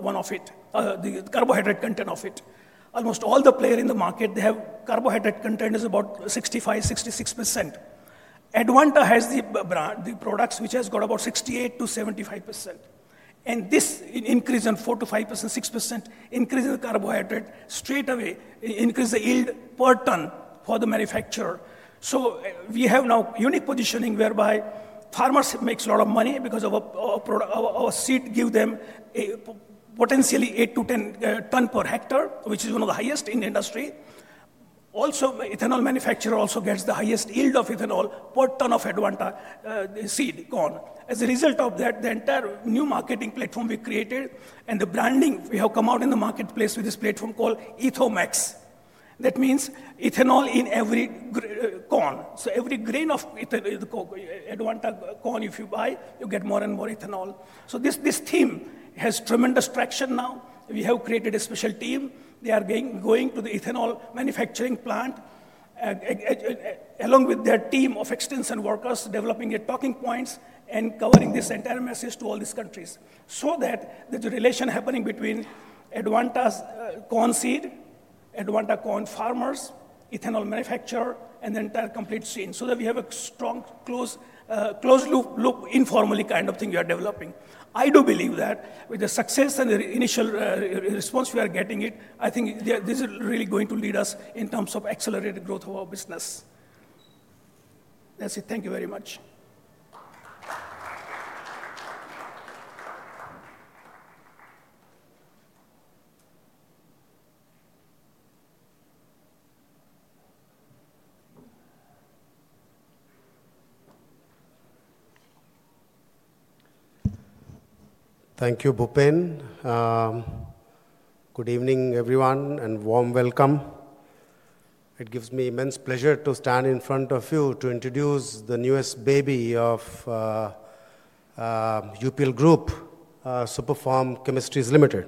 [SPEAKER 6] one of it, the carbohydrate content of it. Almost all the players in the market, they have carbohydrate content is about 65%, 66%. Advanta has the products which has got about 68%-75%. This increase on 4%-5%, 6% increase in the carbohydrate straight away increase the yield per ton for the manufacturer. We have now unique positioning whereby farmers makes a lot of money because of our seed give them potentially 8-10 ton per hectare, which is one of the highest in the industry. Also, ethanol manufacturer also gets the highest yield of ethanol per ton of Advanta seed corn. As a result of that, the entire new marketing platform we created and the branding we have come out in the marketplace with this platform called Ethomax. That means ethanol in every corn. Every grain of Advanta corn, if you buy, you get more and more ethanol. This team has tremendous traction now. We have created a special team. They are going to the ethanol manufacturing plant along with their team of extension workers developing their talking points and covering this entire message to all these countries. So that there is a relation happening between Advanta corn seed, Advanta corn farmers, ethanol manufacturer, and the entire complete chain. So that we have a strong closed loop informally kind of thing we are developing. I do believe that with the success and the initial response we are getting it, I think this is really going to lead us in terms of accelerated growth of our business. That's it. Thank you very much.
[SPEAKER 7] Thank you, Bhupen. Good evening, everyone, and warm welcome. It gives me immense pleasure to stand in front of you to introduce the newest baby of UPL Group, Superform Chemistries Limited.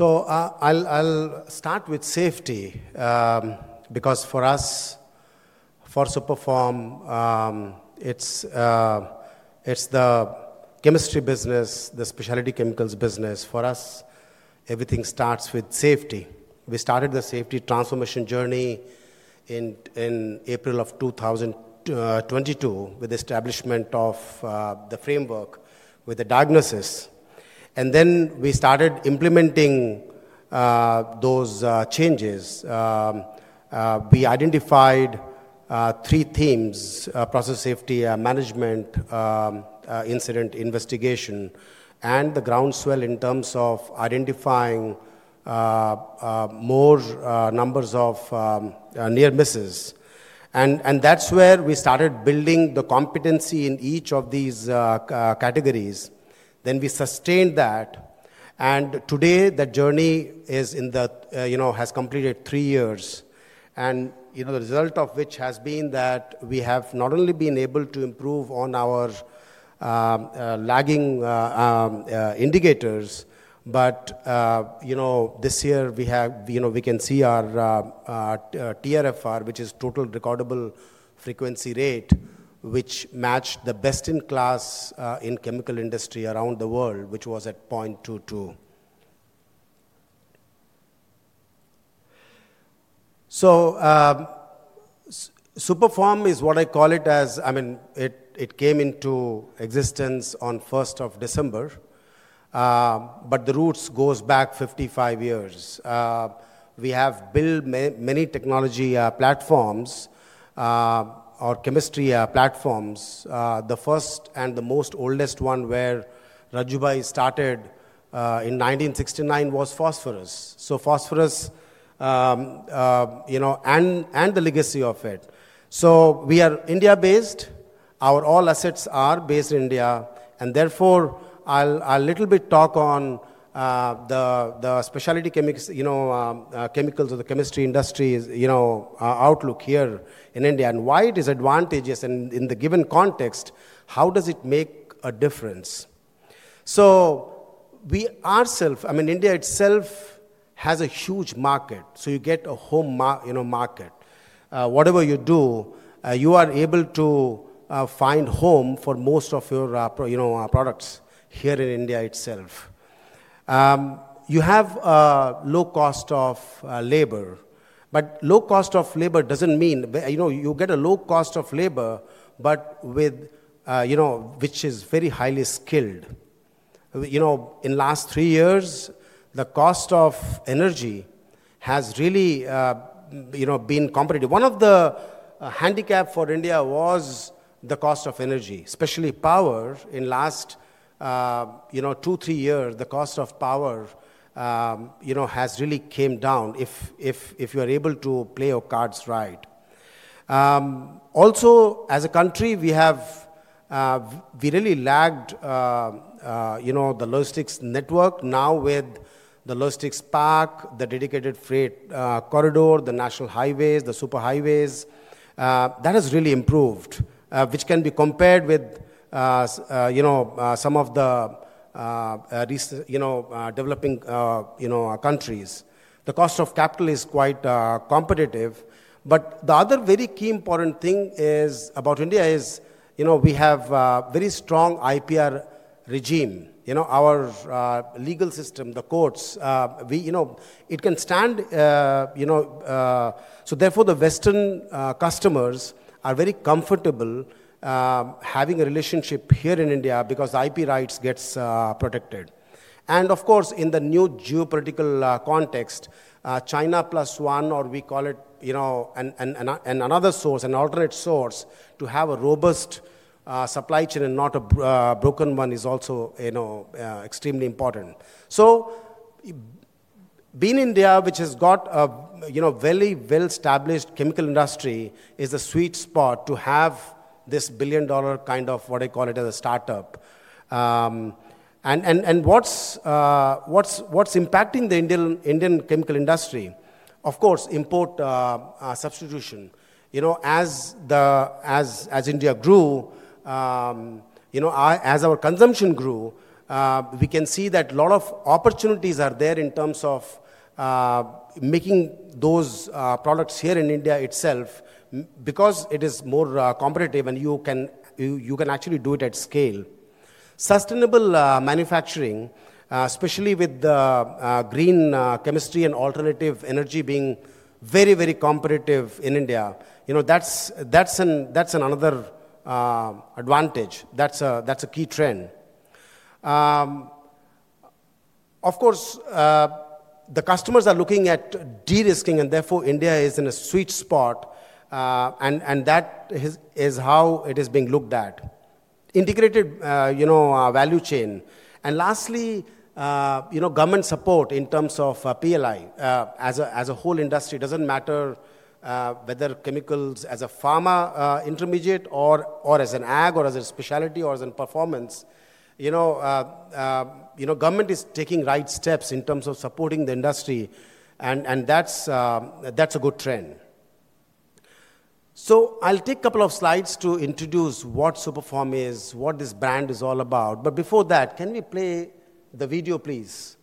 [SPEAKER 7] I will start with safety because for us, for Superform, it is the chemistry business, the specialty chemicals business. For us, everything starts with safety. We started the safety transformation journey in April of 2022 with the establishment of the framework with the diagnosis. We started implementing those changes. We identified three themes: process safety, management, incident investigation, and the groundswell in terms of identifying more numbers of near misses. That is where we started building the competency in each of these categories. We sustained that. Today, that journey has completed three years. The result of which has been that we have not only been able to improve on our lagging indicators, but this year we can see our TRFR, which is total recordable frequency rate, which matched the best in class in chemical industry around the world, which was at 0.22. Superform is what I call it as, I mean, it came into existence on 1st of December, but the roots go back 55 years. We have built many technology platforms or chemistry platforms. The first and the most oldest one where Rajubai started in 1969 was phosphorus. So phosphorus and the legacy of it. We are India-based. Our all assets are based in India. Therefore, I'll a little bit talk on the specialty chemicals or the chemistry industry outlook here in India and why it is advantageous in the given context, how does it make a difference. We ourself, I mean, India itself has a huge market. You get a home market. Whatever you do, you are able to find home for most of your products here in India itself. You have low cost of labor, but low cost of labor doesn't mean you get a low cost of labor, but which is very highly skilled. In the last three years, the cost of energy has really been competitive. One of the handicaps for India was the cost of energy, especially power. In the last two, three years, the cost of power has really come down if you are able to play your cards right. Also, as a country, we really lagged the logistics network. Now with the logistics pack, the dedicated freight corridor, the national highways, the super highways, that has really improved, which can be compared with some of the developing countries. The cost of capital is quite competitive. The other very key important thing about India is we have a very strong IPR regime. Our legal system, the courts, it can stand. Therefore, the Western customers are very comfortable having a relationship here in India because IP rights get protected. Of course, in the new geopolitical context, China plus one, or we call it another source, an alternate source to have a robust supply chain and not a broken one, is also extremely important. Being in India, which has got a very well-established chemical industry, is a sweet spot to have this billion-dollar kind of what I call it as a startup. What's impacting the Indian chemical industry? Of course, import substitution. As India grew, as our consumption grew, we can see that a lot of opportunities are there in terms of making those products here in India itself because it is more competitive and you can actually do it at scale. Sustainable manufacturing, especially with the green chemistry and alternative energy being very, very competitive in India, that's another advantage. That's a key trend. Of course, the customers are looking at de-risking and therefore India is in a sweet spot. That is how it is being looked at. Integrated value chain. Lastly, government support in terms of PLI as a whole industry does not matter whether chemicals as a pharma intermediate or as an ag or as a specialty or as a performance. Government is taking right steps in terms of supporting the industry. That is a good trend. I'll take a couple of slides to introduce what Superform is, what this brand is all about. Before that, can we play the video, please?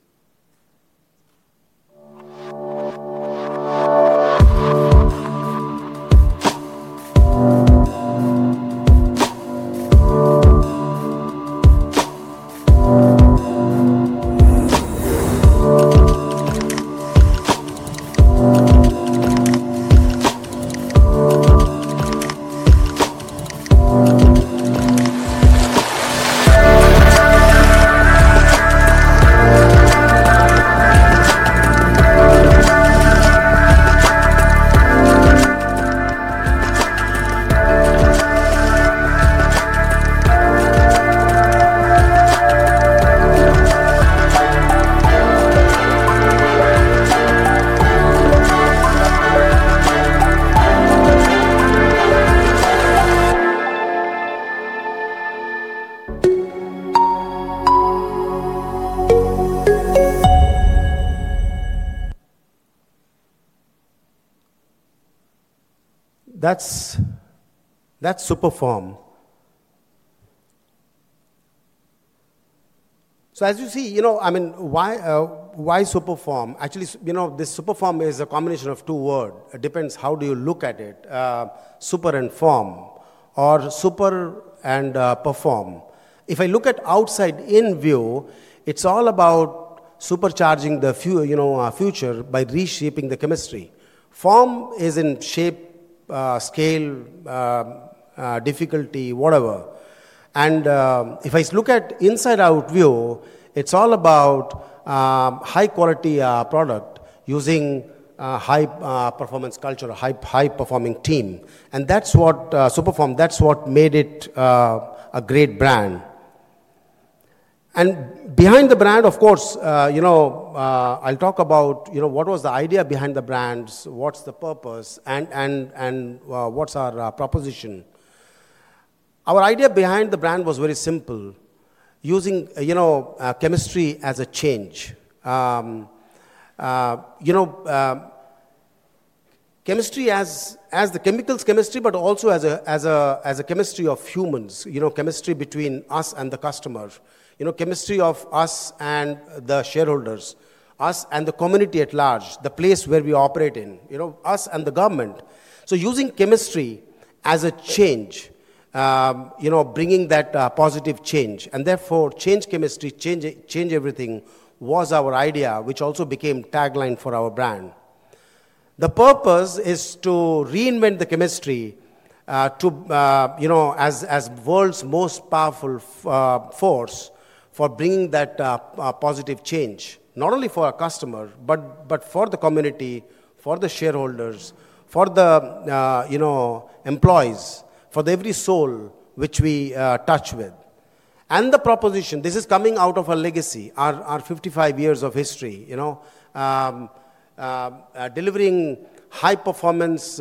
[SPEAKER 7] That's Superform. As you see, I mean, why Superform? Actually, this Superform is a combination of two words. It depends how do you look at it, super and form or super and perform. If I look at outside in view, it's all about supercharging the future by reshaping the chemistry. Form is in shape, scale, difficulty, whatever. If I look at inside out view, it's all about high-quality product using high-performance culture, high-performing team. That's what Superform, that's what made it a great brand. Behind the brand, of course, I'll talk about what was the idea behind the brands, what's the purpose, and what's our proposition. Our idea behind the brand was very simple, using chemistry as a change. Chemistry as the chemicals chemistry, but also as a chemistry of humans, chemistry between us and the customer, chemistry of us and the shareholders, us and the community at large, the place where we operate in, us and the government. Using chemistry as a change, bringing that positive change and therefore change chemistry, change everything was our idea, which also became tagline for our brand. The purpose is to reinvent the chemistry as the world's most powerful force for bringing that positive change, not only for our customer, but for the community, for the shareholders, for the employees, for every soul which we touch with. The proposition, this is coming out of our legacy, our 55 years of history, delivering high-performance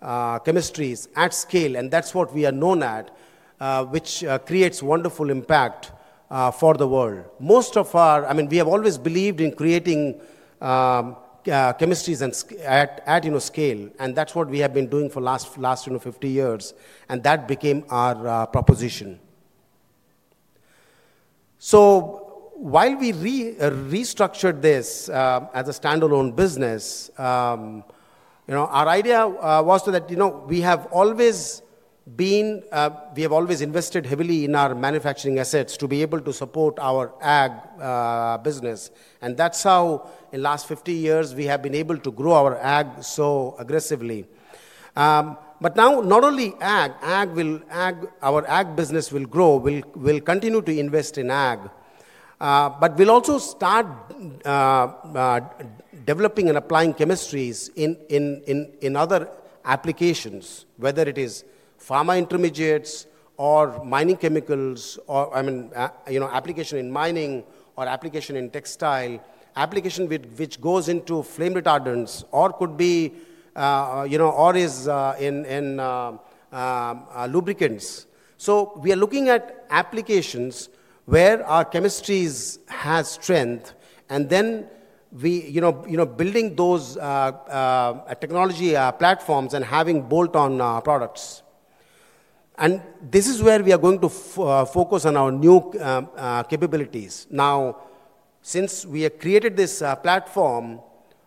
[SPEAKER 7] chemistries at scale. That is what we are known at, which creates wonderful impact for the world. Most of our, I mean, we have always believed in creating chemistries at scale. That is what we have been doing for the last 50 years. That became our proposition. While we restructured this as a standalone business, our idea was that we have always been, we have always invested heavily in our manufacturing assets to be able to support our ag business. That is how in the last 50 years, we have been able to grow our ag so aggressively. Now not only ag, our ag business will grow, we will continue to invest in ag, but we will also start developing and applying chemistries in other applications, whether it is pharma intermediates or mining chemicals or, I mean, application in mining or application in textile, application which goes into flame retardants or could be or is in lubricants. We are looking at applications where our chemistries have strength and then building those technology platforms and having bolt-on products. This is where we are going to focus on our new capabilities. Now, since we have created this platform,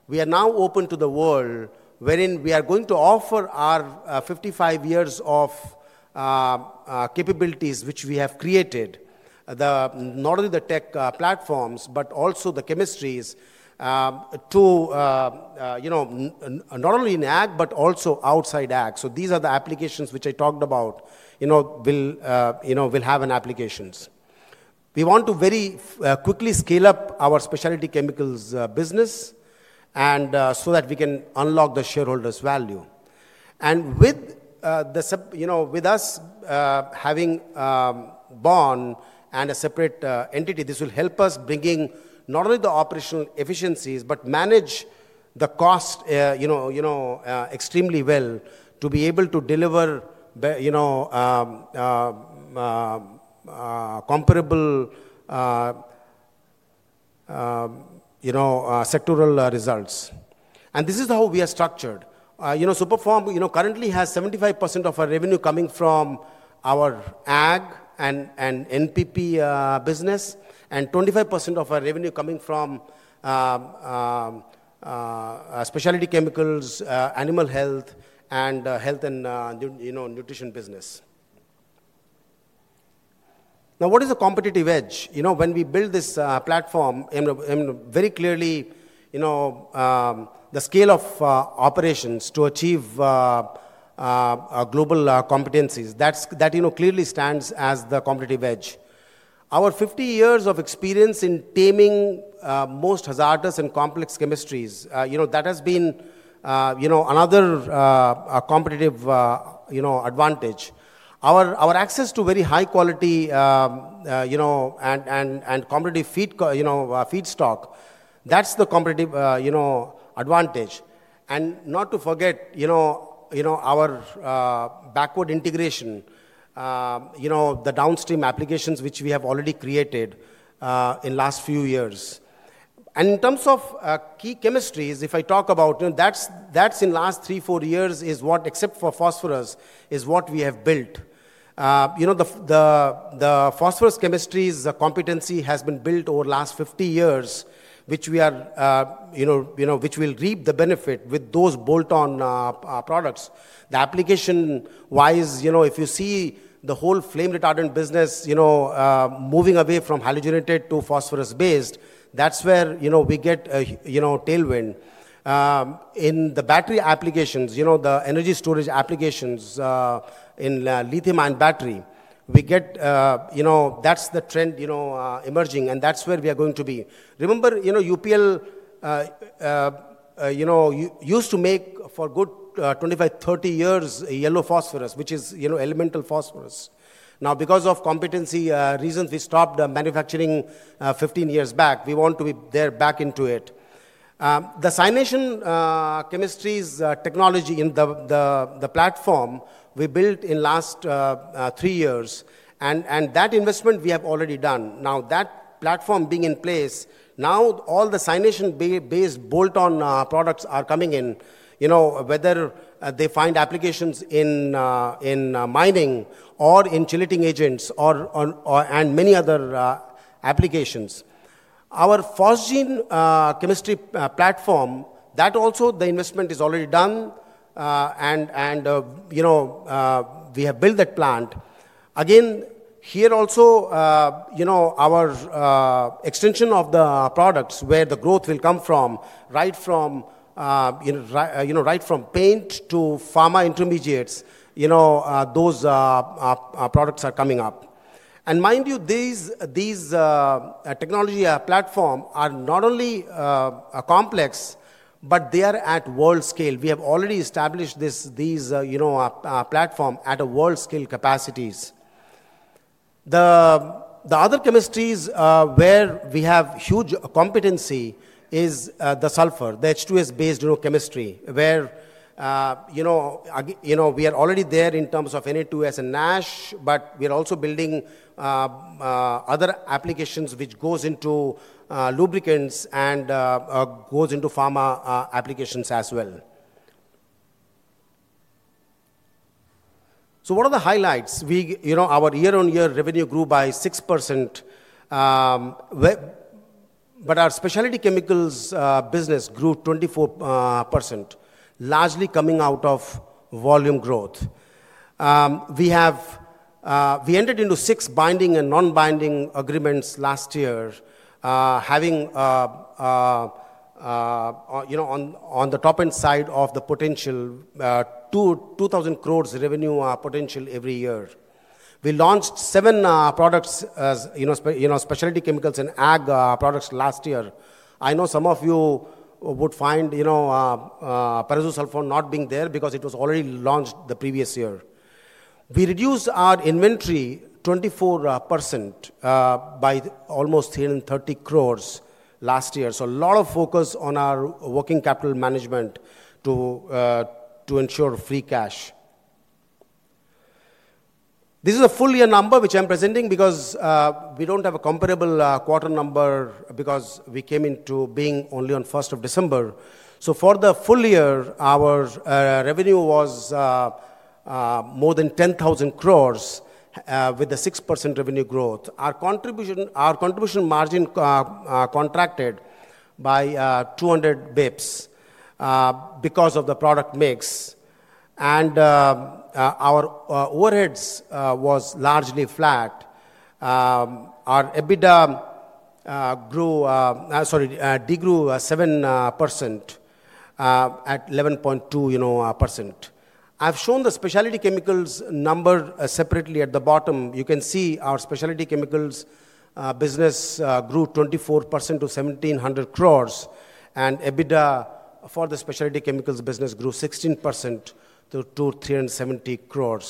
[SPEAKER 7] we are now open to the world wherein we are going to offer our 55 years of capabilities which we have created, not only the tech platforms, but also the chemistries to not only in ag, but also outside ag. These are the applications which I talked about will have applications. We want to very quickly scale up our specialty chemicals business so that we can unlock the shareholders' value. With us having Superform and a separate entity, this will help us bring not only the operational efficiencies, but manage the cost extremely well to be able to deliver comparable sectoral results. This is how we are structured. Superform currently has 75% of our revenue coming from our ag and NPP business and 25% of our revenue coming from specialty chemicals, animal health, and health and nutrition business. Now, what is a competitive edge? When we build this platform, very clearly the scale of operations to achieve global competencies, that clearly stands as the competitive edge. Our 50 years of experience in taming most hazardous and complex chemistries, that has been another competitive advantage. Our access to very high quality and competitive feedstock, that's the competitive advantage. Not to forget our backward integration, the downstream applications which we have already created in the last few years. In terms of key chemistries, if I talk about that in the last three, four years is what, except for phosphorus, is what we have built. The phosphorus chemistry competency has been built over the last 50 years, which will reap the benefit with those bolt-on products. Application-wise, if you see the whole flame retardant business moving away from halogenated to phosphorus-based, that's where we get a tailwind. In the battery applications, the energy storage applications in lithium-ion battery, that's the trend emerging and that's where we are going to be. Remember, UPL used to make for a good 25-30 years yellow phosphorus, which is elemental phosphorus. Now, because of competency reasons, we stopped manufacturing 15 years back. We want to be there back into it. The cyanation chemistry technology in the platform we built in the last three years, and that investment we have already done. Now, that platform being in place, now all the cyanation-based bolt-on products are coming in, whether they find applications in mining or in chilling agents and many other applications. Our phosgene chemistry platform, that also the investment is already done and we have built that plant. Again, here also our extension of the products where the growth will come from, right from paint to pharma intermediates, those products are coming up. Mind you, these technology platforms are not only complex, but they are at world scale. We have already established these platforms at world scale capacities. The other chemistries where we have huge competency is the sulfur, the H2S-based chemistry, where we are already there in terms of NA2S and NASH, but we are also building other applications which go into lubricants and go into pharma applications as well. What are the highlights? Our year-on-year revenue grew by 6%, but our specialty chemicals business grew 24%, largely coming out of volume growth. We entered into six binding and non-binding agreements last year, having on the top end side of the potential 2,000 crore revenue potential every year. We launched seven products as specialty chemicals and ag products last year. I know some of you would find perazosulphur not being there because it was already launched the previous year. We reduced our inventory 24% by almost 330 crore last year. A lot of focus on our working capital management to ensure free cash. This is a full year number which I'm presenting because we don't have a comparable quarter number because we came into being only on 1 December. For the full year, our revenue was more than 10,000 crore with a 6% revenue growth. Our contribution margin contracted by 200 basis points because of the product mix. Our overheads was largely flat. Our EBITDA degrew 7% at 11.2%. I've shown the specialty chemicals number separately at the bottom. You can see our specialty chemicals business grew 24% to 1,700 crore, and EBITDA for the specialty chemicals business grew 16% to 370 crore.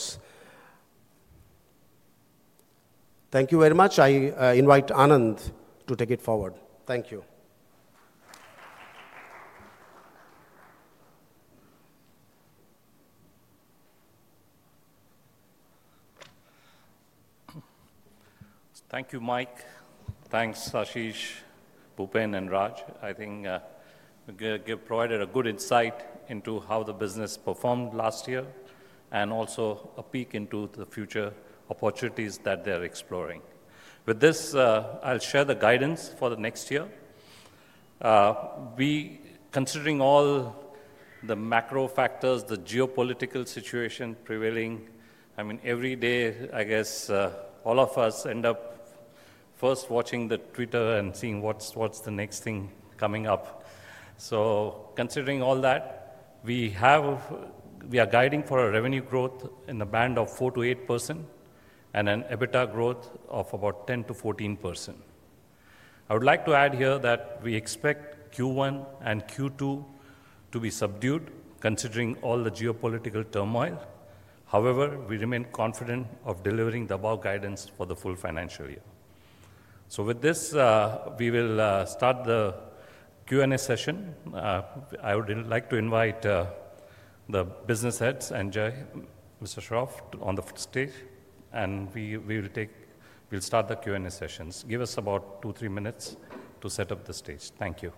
[SPEAKER 7] Thank you very much. I invite Anand to take it forward. Thank you.
[SPEAKER 3] Thank you, Mike. Thanks, Ashish, Bhupen, and Raj. I think you provided a good insight into how the business performed last year and also a peek into the future opportunities that they're exploring. With this, I'll share the guidance for the next year. Considering all the macro factors, the geopolitical situation prevailing, I mean, every day, I guess, all of us end up first watching Twitter and seeing what's the next thing coming up. So considering all that, we are guiding for a revenue growth in the band of 4%-8% and an EBITDA growth of about 10%-14%. I would like to add here that we expect Q1 and Q2 to be subdued considering all the geopolitical turmoil. However, we remain confident of delivering the above guidance for the full financial year. So with this, we will start the Q&A session. I would like to invite the business heads and Mr. Shroff on the stage, and we will start the Q&A sessions. Give us about two, three minutes to set up the stage. Thank you.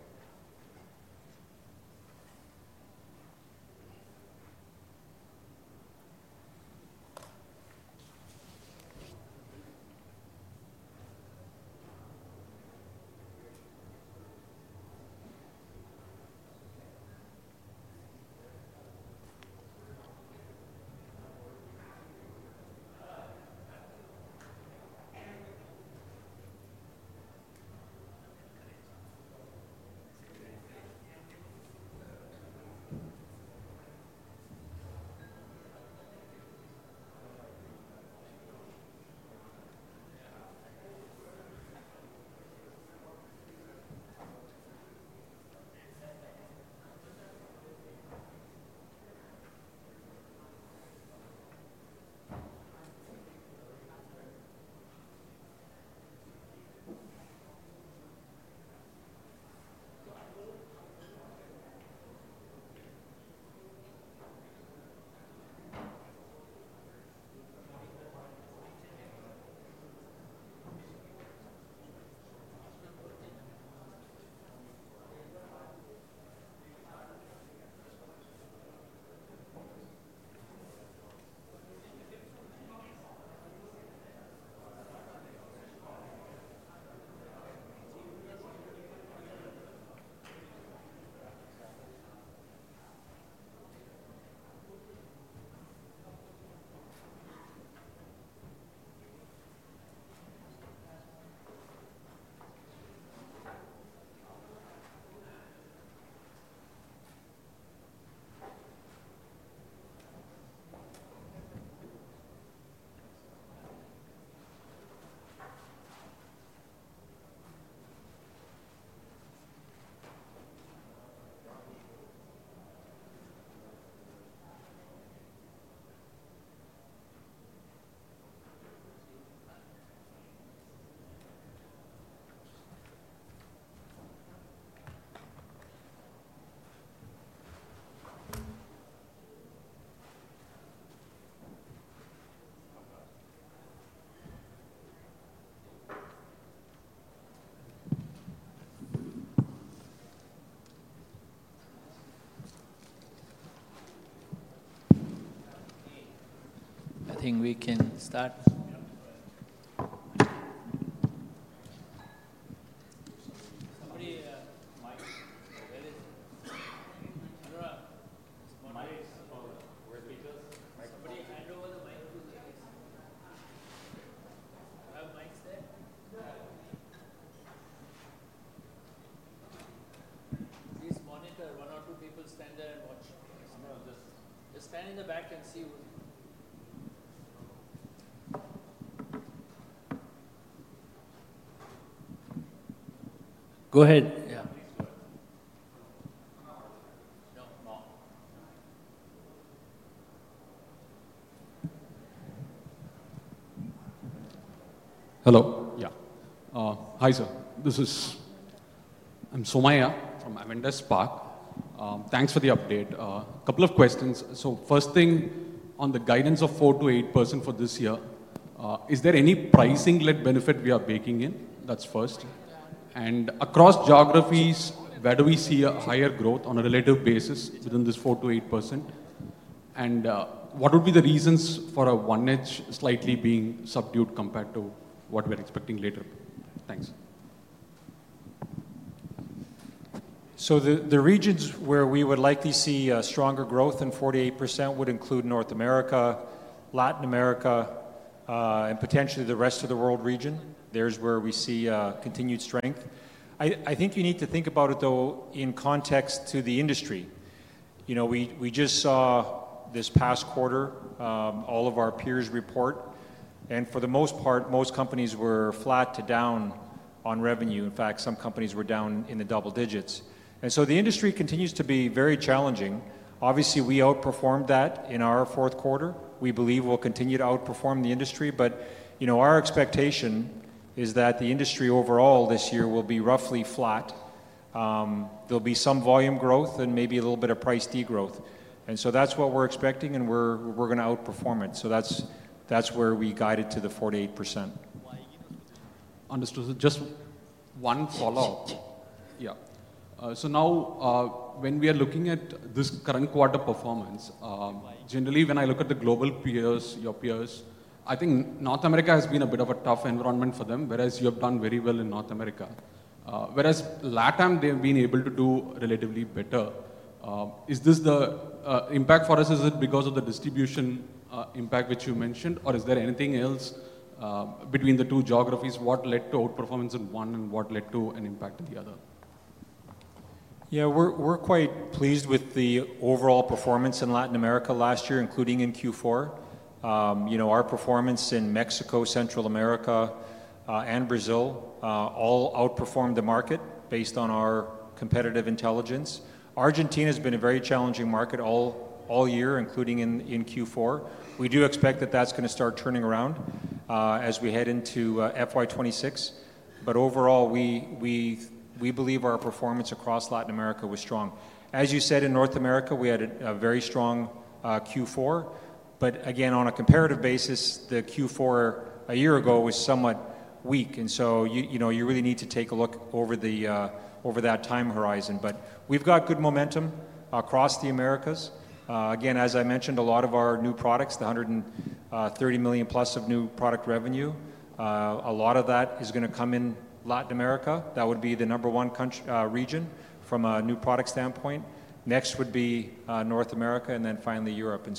[SPEAKER 2] I think we can start. Please monitor one or two people stand there and watch. Just stand in the back and see. Go ahead. Yeah. Hello. Yeah. Hi, sir. This is, I'm Somaya from Aventus Park. Thanks for the update. A couple of questions. First thing, on the guidance of 4%-8% for this year, is there any pricing-led benefit we are baking in? That's first. Across geographies, where do we see a higher growth on a relative basis within this 4%-8%? What would be the reasons for one edge slightly being subdued compared to what we're expecting later? Thanks.
[SPEAKER 4] The regions where we would likely see stronger growth than 48% would include North America, Latin America, and potentially the rest of the world region. That is where we see continued strength. I think you need to think about it, though, in context to the industry. We just saw this past quarter all of our peers report, and for the most part, most companies were flat to down on revenue. In fact, some companies were down in the double digits. The industry continues to be very challenging. Obviously, we outperformed that in our fourth quarter. We believe we will continue to outperform the industry, but our expectation is that the industry overall this year will be roughly flat. There will be some volume growth and maybe a little bit of price degrowth. That is what we are expecting, and we are going to outperform it. That's where we guided to the 48%. Understood. Just one follow-up. Yeah. Now, when we are looking at this current quarter performance, generally, when I look at the global peers, your peers, I think North America has been a bit of a tough environment for them, whereas you have done very well in North America. Whereas LATAM, they have been able to do relatively better. Is this the impact for us? Is it because of the distribution impact which you mentioned, or is there anything else between the two geographies? What led to outperformance in one and what led to an impact in the other? Yeah, we're quite pleased with the overall performance in Latin America last year, including in Q4. Our performance in Mexico, Central America, and Brazil all outperformed the market based on our competitive intelligence. Argentina has been a very challenging market all year, including in Q4. We do expect that that's going to start turning around as we head into FY 2026. Overall, we believe our performance across Latin America was strong. As you said, in North America, we had a very strong Q4. Again, on a comparative basis, the Q4 a year ago was somewhat weak. You really need to take a look over that time horizon. We've got good momentum across the Americas. Again, as I mentioned, a lot of our new products, the $130 million plus of new product revenue, a lot of that is going to come in Latin America. That would be the number one region from a new product standpoint. Next would be North America and then finally Europe. That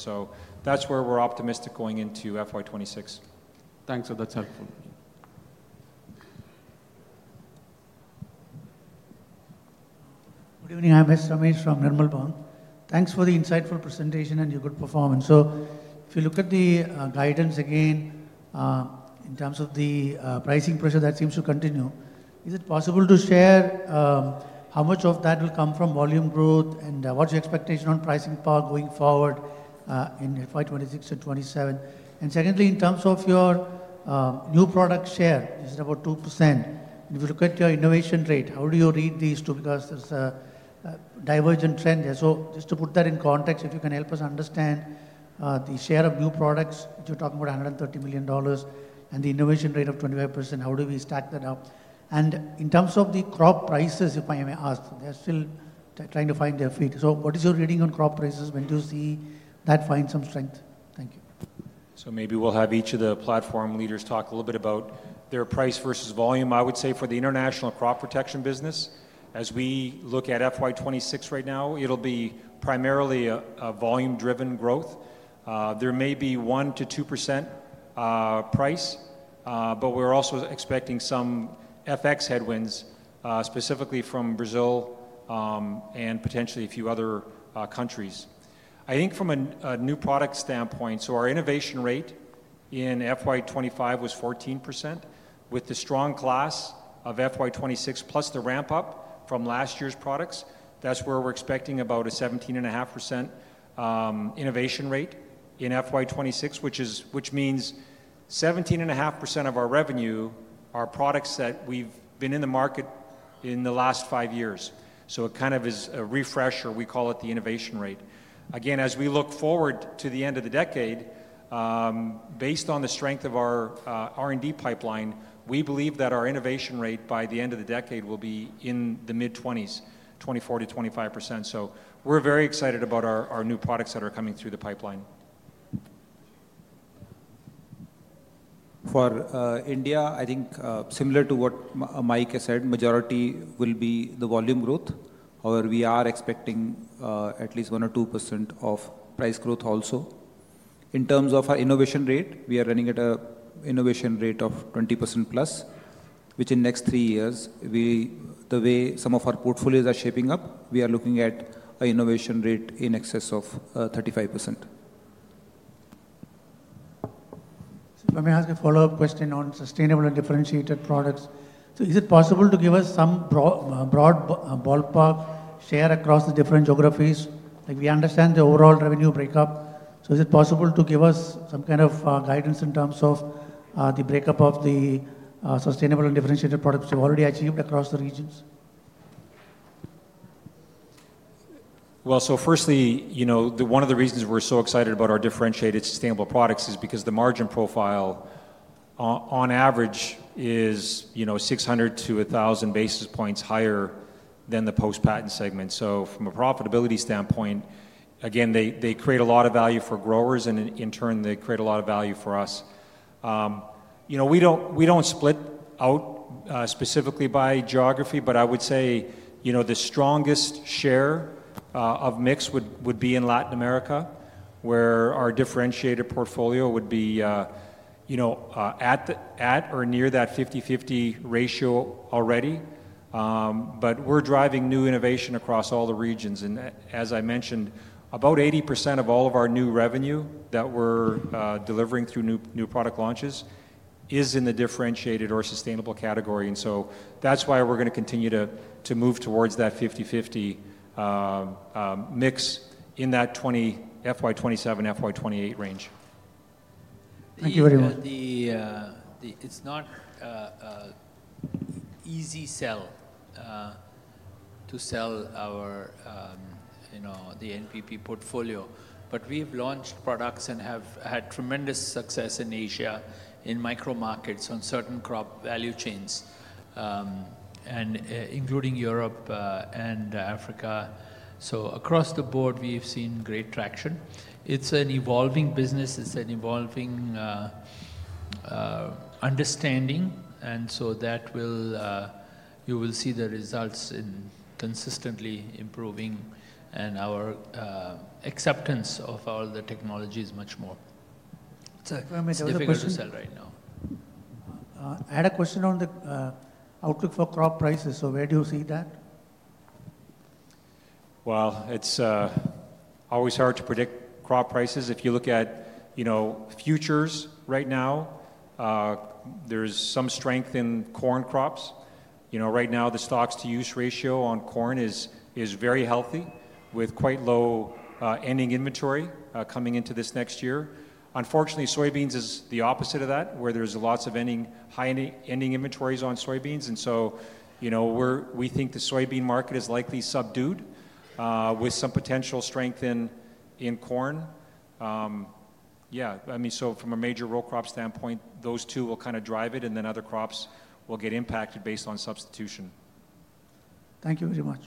[SPEAKER 4] is where we're optimistic going into FY 2026. Thanks. That's helpful.
[SPEAKER 8] Good evening. I'm Mr. Amit from Nirmal Bang. Thanks for the insightful presentation and your good performance. If you look at the guidance again, in terms of the pricing pressure that seems to continue, is it possible to share how much of that will come from volume growth and what's your expectation on pricing power going forward in FY 2026 and 2027? Secondly, in terms of your new product share, this is about 2%. If you look at your innovation rate, how do you read these two? Because there's a divergent trend there. Just to put that in context, if you can help us understand the share of new products, you're talking about $130 million and the innovation rate of 25%, how do we stack that up? In terms of the crop prices, if I may ask, they're still trying to find their feet. What is your reading on crop prices when you see that find some strength? Thank you.
[SPEAKER 4] Maybe we'll have each of the platform leaders talk a little bit about their price versus volume. I would say for the international crop protection business, as we look at FY 2026 right now, it'll be primarily a volume-driven growth. There may be 1%-2% price, but we're also expecting some FX headwinds, specifically from Brazil and potentially a few other countries. I think from a new product standpoint, our innovation rate in FY 2025 was 14%. With the strong class of FY 2026 plus the ramp-up from last year's products, that's where we're expecting about a 17.5% innovation rate in FY 2026, which means 17.5% of our revenue are products that have been in the market in the last five years. It kind of is a refresher. We call it the innovation rate. Again, as we look forward to the end of the decade, based on the strength of our R&D pipeline, we believe that our innovation rate by the end of the decade will be in the mid-20s, 24%-25%. So we're very excited about our new products that are coming through the pipeline.
[SPEAKER 2] For India, I think similar to what Mike has said, majority will be the volume growth. However, we are expecting at least 1% or 2% of price growth also. In terms of our innovation rate, we are running at an innovation rate of 20%+, which in next three years, the way some of our portfolios are shaping up, we are looking at an innovation rate in excess of 35%.
[SPEAKER 8] Let me ask a follow-up question on sustainable and differentiated products. Is it possible to give us some broad ballpark share across the different geographies? We understand the overall revenue breakup. Is it possible to give us some kind of guidance in terms of the breakup of the sustainable and differentiated products you've already achieved across the regions?
[SPEAKER 4] Firstly, one of the reasons we're so excited about our differentiated sustainable products is because the margin profile, on average, is 600-1,000 basis points higher than the post-patent segment. From a profitability standpoint, again, they create a lot of value for growers, and in turn, they create a lot of value for us. We don't split out specifically by geography, but I would say the strongest share of mix would be in Latin America, where our differentiated portfolio would be at or near that 50/50 ratio already. We're driving new innovation across all the regions. As I mentioned, about 80% of all of our new revenue that we're delivering through new product launches is in the differentiated or sustainable category. That's why we're going to continue to move towards that 50/50 mix in that FY 2027, FY 2028 range.
[SPEAKER 8] Thank you very much.
[SPEAKER 2] It's not easy to sell the NPP portfolio, but we have launched products and have had tremendous success in Asia in micro markets on certain crop value chains, including Europe and Africa. Across the board, we've seen great traction. It's an evolving business. It's an evolving understanding. You will see the results in consistently improving and our acceptance of all the technologies much more.
[SPEAKER 8] Sir.
[SPEAKER 2] I'm a little bit sell right now.
[SPEAKER 8] I had a question on the outlook for crop prices. Where do you see that?
[SPEAKER 4] It's always hard to predict crop prices. If you look at futures right now, there's some strength in corn crops. Right now, the stocks-to-use ratio on corn is very healthy with quite low ending inventory coming into this next year. Unfortunately, soybeans is the opposite of that, where there's lots of high ending inventories on soybeans. We think the soybean market is likely subdued with some potential strength in corn. I mean, from a major row crop standpoint, those two will kind of drive it, and then other crops will get impacted based on substitution.
[SPEAKER 8] Thank you very much.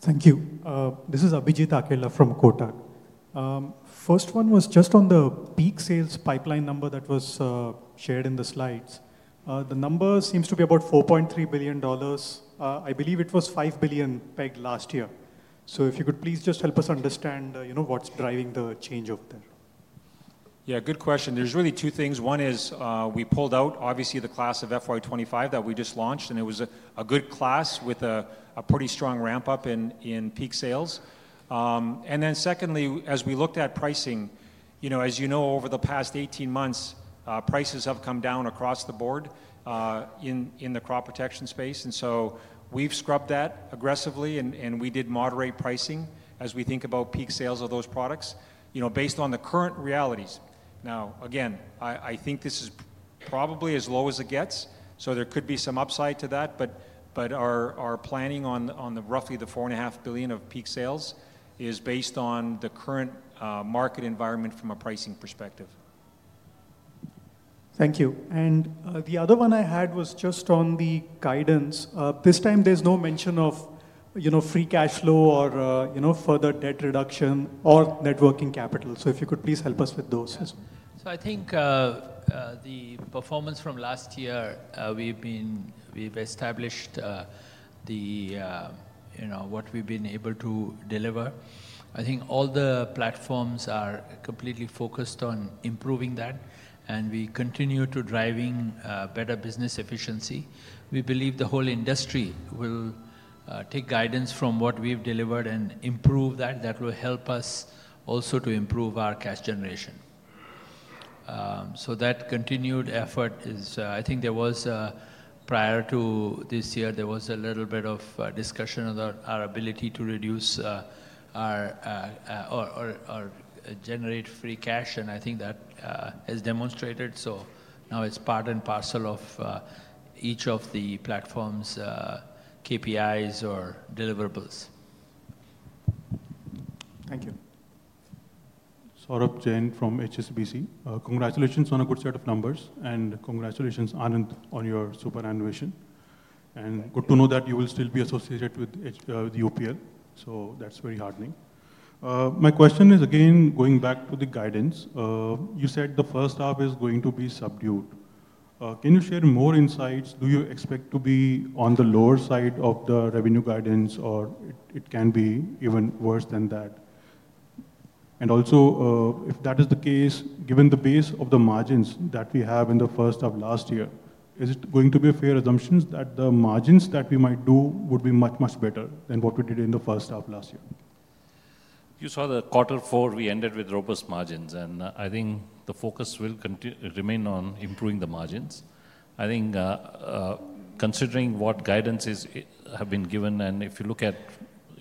[SPEAKER 9] Thank you. This is Abhijit Akella from Kotak. First one was just on the peak sales pipeline number that was shared in the slides. The number seems to be about $4.3 billion. I believe it was $5 billion pegged last year. If you could please just help us understand what's driving the change over there.
[SPEAKER 4] Yeah, good question. There's really two things. One is we pulled out, obviously, the class of FY 2025 that we just launched, and it was a good class with a pretty strong ramp-up in peak sales. Then secondly, as we looked at pricing, as you know, over the past 18 months, prices have come down across the board in the crop protection space. We scrubbed that aggressively, and we did moderate pricing as we think about peak sales of those products based on the current realities. Now, again, I think this is probably as low as it gets. There could be some upside to that. Our planning on roughly the $4.5 billion of peak sales is based on the current market environment from a pricing perspective.
[SPEAKER 9] Thank you. The other one I had was just on the guidance. This time, there is no mention of free cash flow or further debt reduction or net working capital. If you could please help us with those.
[SPEAKER 2] I think the performance from last year, we've established what we've been able to deliver. I think all the platforms are completely focused on improving that, and we continue to drive better business efficiency. We believe the whole industry will take guidance from what we've delivered and improve that. That will help us also to improve our cash generation. That continued effort is, I think there was prior to this year, there was a little bit of discussion about our ability to reduce or generate free cash. I think that has demonstrated. Now it's part and parcel of each of the platforms' KPIs or deliverables.
[SPEAKER 9] Thank you.
[SPEAKER 10] Saurabh Jain from HSBC. Congratulations on a good set of numbers, and congratulations on your superannuation. Good to know that you will still be associated with UPL. That is very heartening. My question is, again, going back to the guidance, you said the first half is going to be subdued. Can you share more insights? Do you expect to be on the lower side of the revenue guidance, or it can be even worse than that? Also, if that is the case, given the base of the margins that we have in the first half last year, is it going to be a fair assumption that the margins that we might do would be much, much better than what we did in the first half last year?
[SPEAKER 3] You saw the quarter four, we ended with robust margins. I think the focus will remain on improving the margins. I think considering what guidance has been given, and if you look at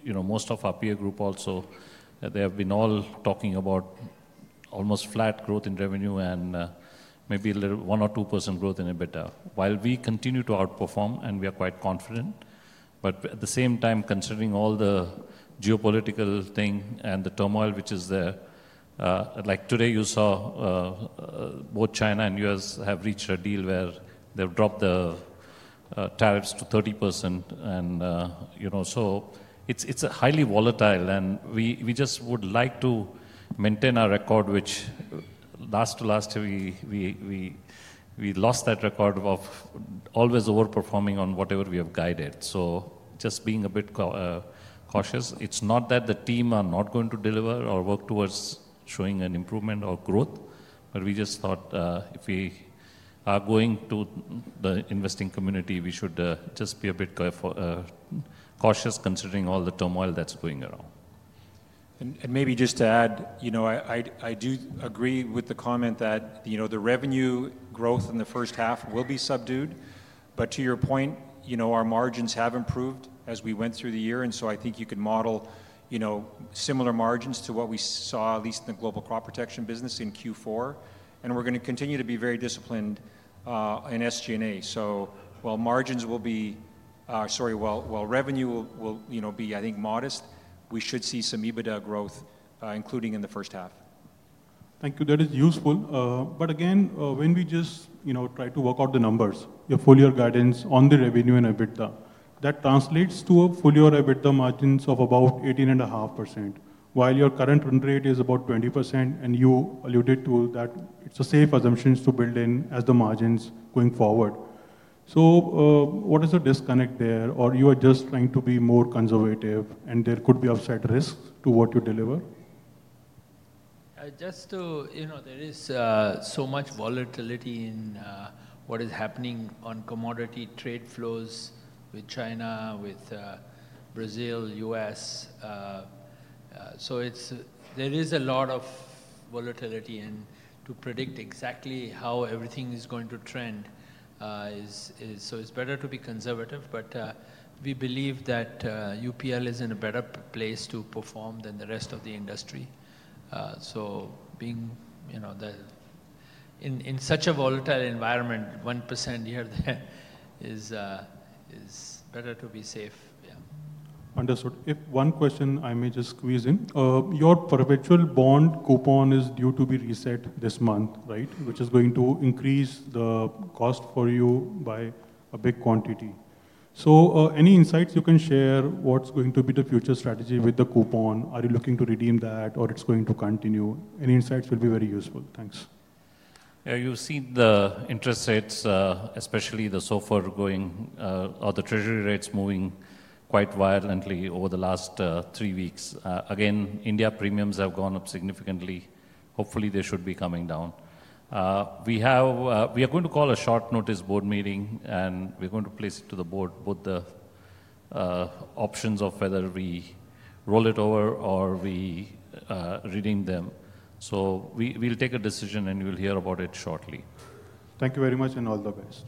[SPEAKER 3] most of our peer group also, they have been all talking about almost flat growth in revenue and maybe 1% or 2% growth in EBITDA. While we continue to outperform, and we are quite confident. At the same time, considering all the geopolitical thing and the turmoil which is there, like today you saw, both China and the US have reached a deal where they've dropped the tariffs to 30%. It is highly volatile. We just would like to maintain our record, which last to last year, we lost that record of always overperforming on whatever we have guided. Just being a bit cautious. It's not that the team are not going to deliver or work towards showing an improvement or growth, but we just thought if we are going to the investing community, we should just be a bit cautious considering all the turmoil that's going around.
[SPEAKER 4] Maybe just to add, I do agree with the comment that the revenue growth in the first half will be subdued. To your point, our margins have improved as we went through the year. I think you can model similar margins to what we saw, at least in the global crop protection business in Q4. We are going to continue to be very disciplined in SG&A. While revenue will be, I think, modest, we should see some EBITDA growth, including in the first half.
[SPEAKER 10] Thank you. That is useful. Again, when we just try to work out the numbers, your full year guidance on the revenue and EBITDA, that translates to a full year EBITDA margin of about 18.5%, while your current rate is about 20%. You alluded to that it's a safe assumption to build in as the margins going forward. What is the disconnect there? Are you just trying to be more conservative, and there could be upside risks to what you deliver?
[SPEAKER 2] Just to, there is so much volatility in what is happening on commodity trade flows with China, with Brazil, US. There is a lot of volatility. To predict exactly how everything is going to trend, it's better to be conservative. We believe that UPL is in a better place to perform than the rest of the industry. In such a volatile environment, 1% here is better to be safe. Yeah.
[SPEAKER 10] Understood. If one question, I may just squeeze in. Your perpetual bond coupon is due to be reset this month, right, which is going to increase the cost for you by a big quantity. Any insights you can share what's going to be the future strategy with the coupon? Are you looking to redeem that, or it's going to continue? Any insights will be very useful. Thanks.
[SPEAKER 3] Yeah. You've seen the interest rates, especially the SOFR going or the treasury rates moving quite violently over the last three weeks. Again, India premiums have gone up significantly. Hopefully, they should be coming down. We are going to call a short notice board meeting, and we're going to place it to the board, both the options of whether we roll it over or we redeem them. We will take a decision, and you'll hear about it shortly.
[SPEAKER 10] Thank you very much, and all the best.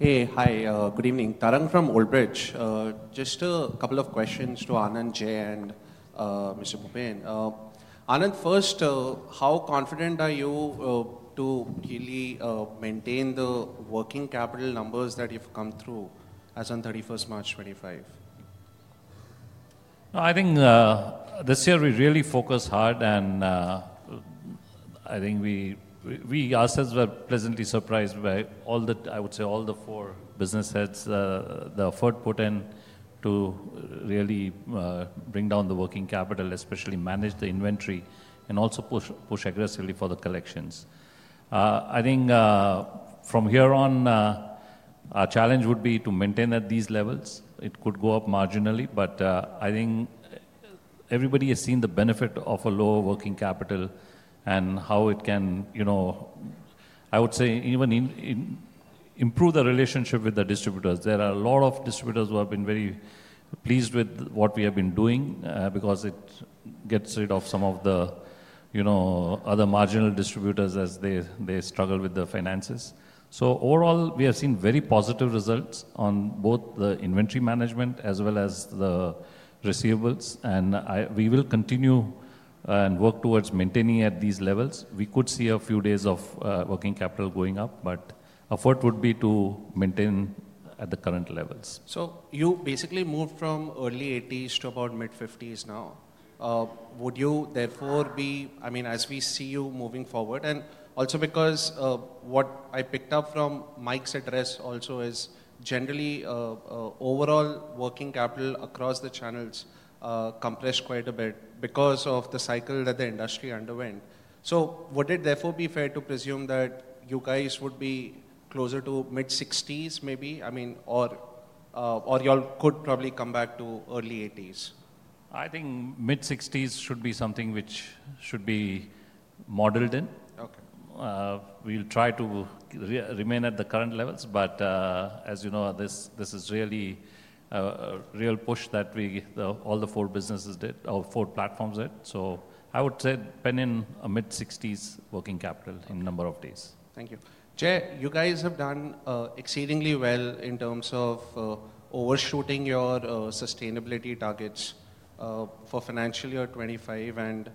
[SPEAKER 2] Thank you. Hey, hi, good evening. Tarun from Oldbridge. Just a couple of questions to Anand, Jai, and Mr. Bhupen. Anand, first, how confident are you to maintain the working capital numbers that you've come through as on 31st March 2025?
[SPEAKER 3] I think this year we really focused hard. I think ourselves were pleasantly surprised by all the, I would say, all the four business heads that were put in to really bring down the working capital, especially manage the inventory, and also push aggressively for the collections. I think from here on, our challenge would be to maintain at these levels. It could go up marginally, but I think everybody has seen the benefit of a lower working capital and how it can, I would say, even improve the relationship with the distributors. There are a lot of distributors who have been very pleased with what we have been doing because it gets rid of some of the other marginal distributors as they struggle with the finances. Overall, we have seen very positive results on both the inventory management as well as the receivables. We will continue and work towards maintaining at these levels. We could see a few days of working capital going up, but our effort would be to maintain at the current levels.
[SPEAKER 11] So you basically moved from early 80s to about mid-50s now. Would you therefore be, I mean, as we see you moving forward? And also because what I picked up from Mike's address also is generally overall working capital across the channels compressed quite a bit because of the cycle that the industry underwent. Would it therefore be fair to presume that you guys would be closer to mid-60s maybe? I mean, or y'all could probably come back to early 80s?
[SPEAKER 3] I think mid-60s should be something which should be modeled in. We will try to remain at the current levels. As you know, this is really a real push that all the four businesses did or four platforms did. I would say pen in a mid-60s working capital in number of days. Thank you. Jai, you guys have done exceedingly well in terms of overshooting your sustainability targets for financial year 2025.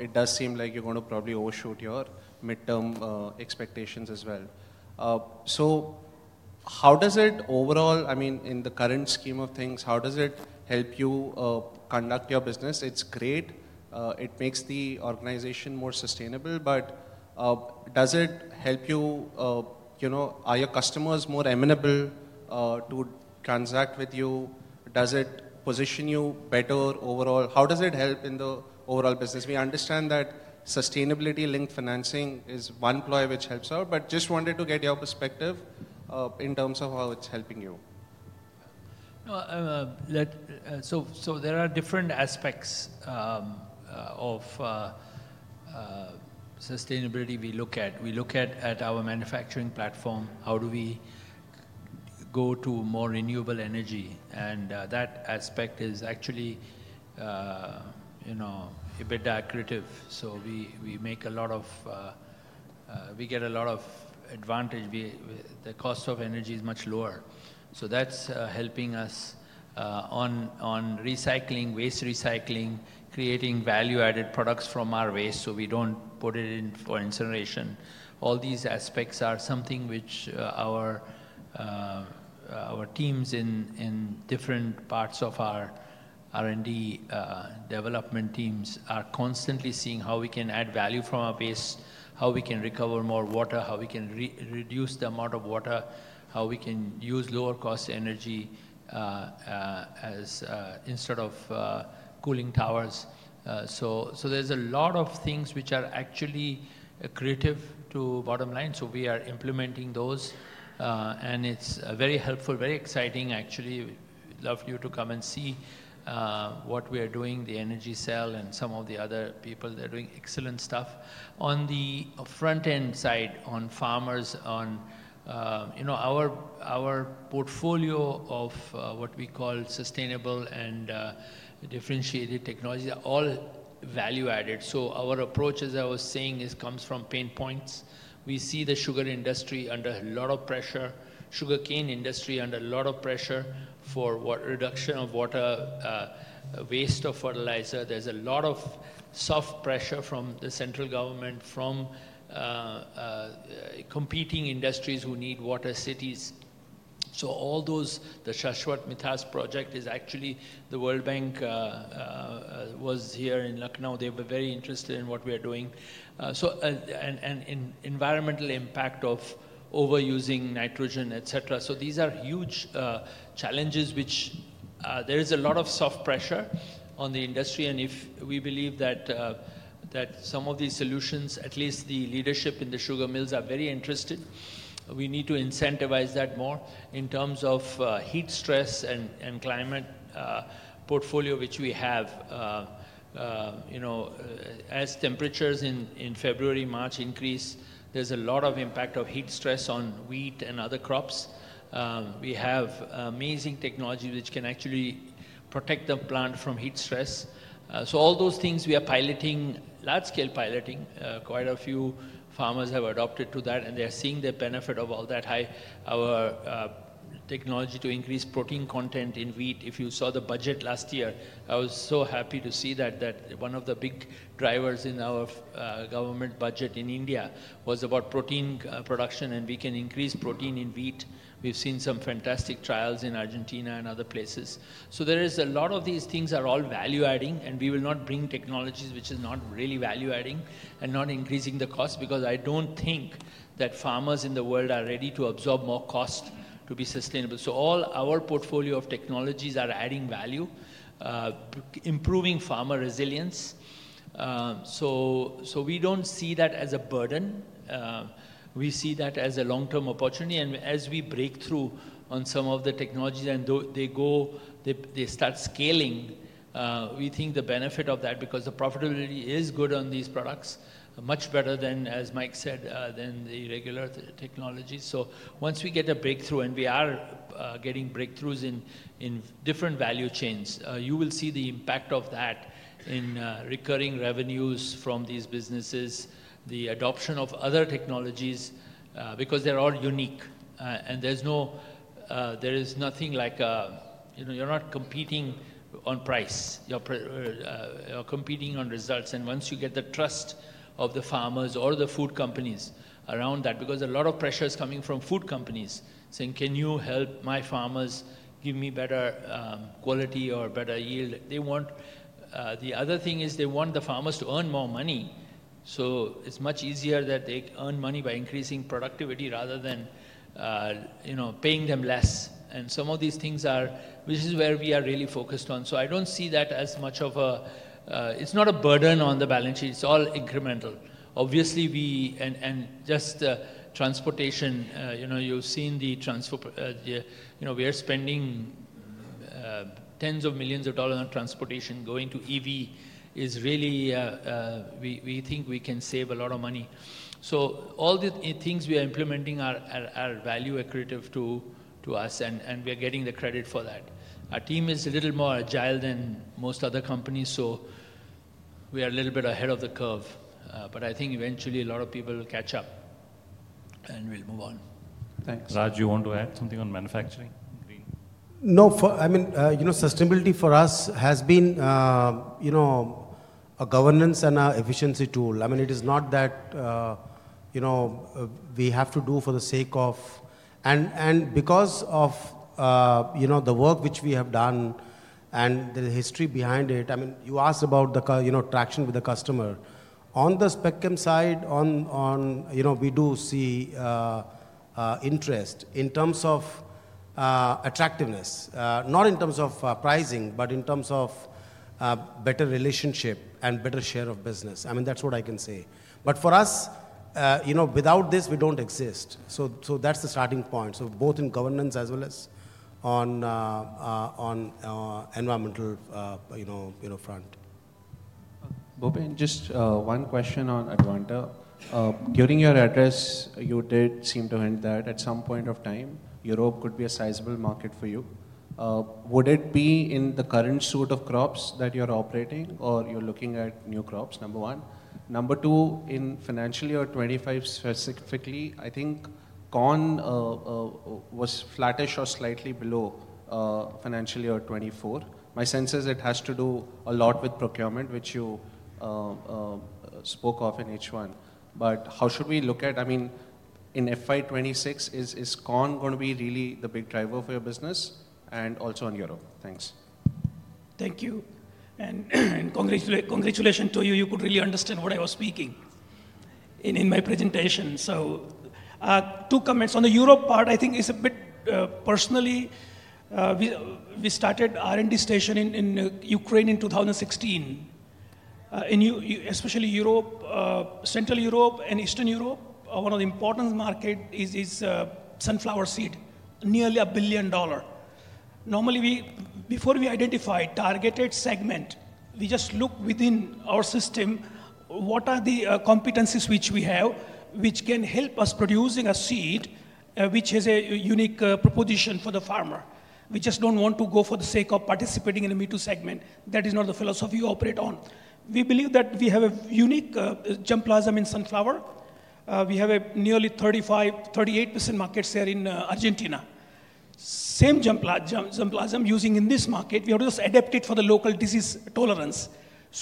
[SPEAKER 3] It does seem like you're going to probably overshoot your midterm expectations as well. How does it overall, I mean, in the current scheme of things, how does it help you conduct your business? It's great. It makes the organization more sustainable. Does it help you? Are your customers more amenable to transact with you? Does it position you better overall? How does it help in the overall business? We understand that sustainability-linked financing is one ploy which helps out, but just wanted to get your perspective in terms of how it's helping you.
[SPEAKER 2] There are different aspects of sustainability we look at. We look at our manufacturing platform, how do we go to more renewable energy? That aspect is actually EBITDA accretive. We get a lot of advantage. The cost of energy is much lower. That is helping us on recycling, waste recycling, creating value-added products from our waste so we do not put it in for incineration. All these aspects are something which our teams in different parts of our R&D development teams are constantly seeing how we can add value from our waste, how we can recover more water, how we can reduce the amount of water, how we can use lower-cost energy instead of cooling towers. There are a lot of things which are actually accretive to bottom line. We are implementing those. It is very helpful, very exciting, actually. We'd love you to come and see what we are doing, the energy cell and some of the other people. They're doing excellent stuff. On the front-end side on farmers, our portfolio of what we call sustainable and differentiated technologies are all value-added. Our approach, as I was saying, comes from pain points. We see the sugar industry under a lot of pressure, sugarcane industry under a lot of pressure for reduction of water, waste of fertilizer. There is a lot of soft pressure from the central government, from competing industries who need water cities. All those, the Shashwat Mithas project is actually the World Bank was here in Lucknow. They were very interested in what we are doing. Environmental impact of overusing nitrogen, etc. These are huge challenges which there is a lot of soft pressure on the industry. If we believe that some of these solutions, at least the leadership in the sugar mills, are very interested, we need to incentivize that more in terms of heat stress and climate portfolio which we have. As temperatures in February, March increase, there is a lot of impact of heat stress on wheat and other crops. We have amazing technology which can actually protect the plant from heat stress. All those things we are piloting, large-scale piloting. Quite a few farmers have adopted to that, and they are seeing the benefit of all that. Our technology to increase protein content in wheat. If you saw the budget last year, I was so happy to see that one of the big drivers in our government budget in India was about protein production, and we can increase protein in wheat. We have seen some fantastic trials in Argentina and other places. There is a lot of these things are all value-adding, and we will not bring technologies which are not really value-adding and not increasing the cost because I do not think that farmers in the world are ready to absorb more cost to be sustainable. All our portfolio of technologies are adding value, improving farmer resilience. We do not see that as a burden. We see that as a long-term opportunity. As we break through on some of the technologies and they start scaling, we think the benefit of that because the profitability is good on these products, much better than, as Mike said, than the regular technologies. Once we get a breakthrough, and we are getting breakthroughs in different value chains, you will see the impact of that in recurring revenues from these businesses, the adoption of other technologies because they are all unique. There is nothing like you're not competing on price. You're competing on results. Once you get the trust of the farmers or the food companies around that, because a lot of pressure is coming from food companies saying, "Can you help my farmers give me better quality or better yield?" The other thing is they want the farmers to earn more money. It is much easier that they earn money by increasing productivity rather than paying them less. Some of these things are which is where we are really focused on. I do not see that as much of a, it is not a burden on the balance sheet. It is all incremental. Obviously, just transportation, you have seen we are spending tens of millions of dollars on transportation. Going to EV is really, we think we can save a lot of money. All the things we are implementing are value-accurative to us, and we are getting the credit for that. Our team is a little more agile than most other companies, so we are a little bit ahead of the curve. I think eventually a lot of people will catch up and we'll move on.
[SPEAKER 4] Thanks. Raj, you want to add something on manufacturing?
[SPEAKER 7] No. I mean, sustainability for us has been a governance and an efficiency tool. I mean, it is not that we have to do for the sake of, and because of the work which we have done and the history behind it. I mean, you asked about the traction with the customer. On the spectrum side, we do see interest in terms of attractiveness, not in terms of pricing, but in terms of better relationship and better share of business. I mean, that's what I can say. For us, without this, we don't exist. That is the starting point, both in governance as well as on the environmental front. Bhupen, just one question on Advanta. During your address, you did seem to hint that at some point of time, Europe could be a sizable market for you. Would it be in the current suite of crops that you're operating, or you're looking at new crops, number one? Number two, in financial year 2025 specifically, I think corn was flattish or slightly below financial year 2024. My sense is it has to do a lot with procurement, which you spoke of in H1. I mean, how should we look at, in FY 2026, is corn going to be really the big driver for your business and also on Europe? Thanks.
[SPEAKER 6] Thank you. Congratulations to you. You could really understand what I was speaking in my presentation. Two comments. On the Europe part, I think it is a bit personal. We started an R&D station in Ukraine in 2016. Especially Europe, Central Europe, and Eastern Europe, one of the important markets is sunflower seed, nearly a billion dollar. Normally, before we identify a targeted segment, we just look within our system, what are the competencies which we have which can help us producing a seed which has a unique proposition for the farmer. We just do not want to go for the sake of participating in a meat segment. That is not the philosophy we operate on. We believe that we have a unique germplasm in sunflower. We have nearly 38% market share in Argentina. Same germplasm using in this market, we have just adapted for the local disease tolerance.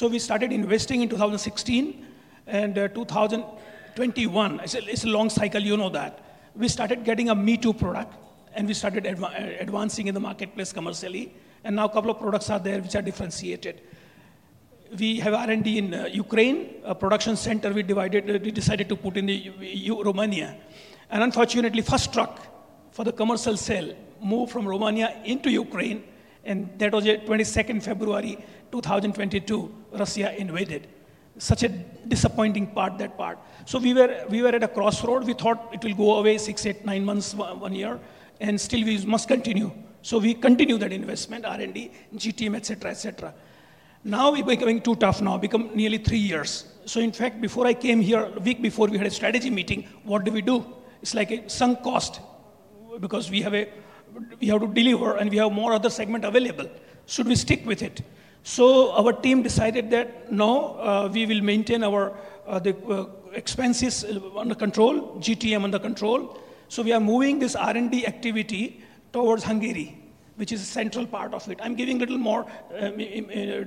[SPEAKER 6] We started investing in 2016 and 2021. It's a long cycle, you know that. We started getting a meat product, and we started advancing in the marketplace commercially. Now a couple of products are there which are differentiated. We have R&D in Ukraine, a production center we decided to put in Romania. Unfortunately, first truck for the commercial sale moved from Romania into Ukraine. That was 22nd February 2022, Russia invaded. Such a disappointing part, that part. We were at a crossroad. We thought it will go away six, eight, nine months, one year, and still we must continue. We continue that investment, R&D, GTM, etc., etc. Now we're going too tough now, become nearly three years. In fact, before I came here, a week before, we had a strategy meeting, what do we do? It's like a sunk cost because we have to deliver and we have more other segment available. Should we stick with it? Our team decided that no, we will maintain the expenses under control, GTM under control. We are moving this R&D activity towards Hungary, which is a central part of it. I'm giving a little more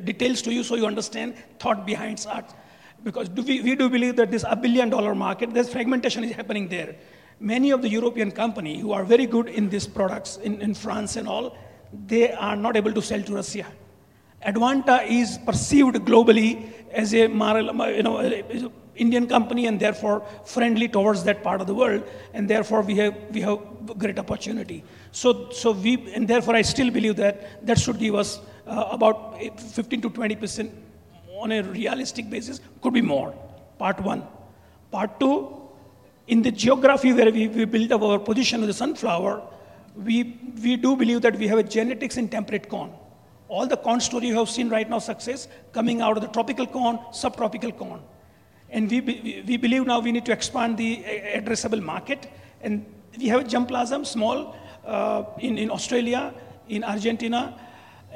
[SPEAKER 6] details to you so you understand thought behind that because we do believe that this is a billion-dollar market. There's fragmentation happening there. Many of the European companies who are very good in these products in France and all, they are not able to sell to Russia. Advanta is perceived globally as an Indian company and therefore friendly towards that part of the world. Therefore, we have great opportunity. I still believe that that should give us about 15%-20% on a realistic basis. Could be more, part one. Part two, in the geography where we built up our position with the sunflower, we do believe that we have a genetics in temperate corn. All the corn story you have seen right now, success coming out of the tropical corn, subtropical corn. We believe now we need to expand the addressable market. We have a germplasm small in Australia, in Argentina.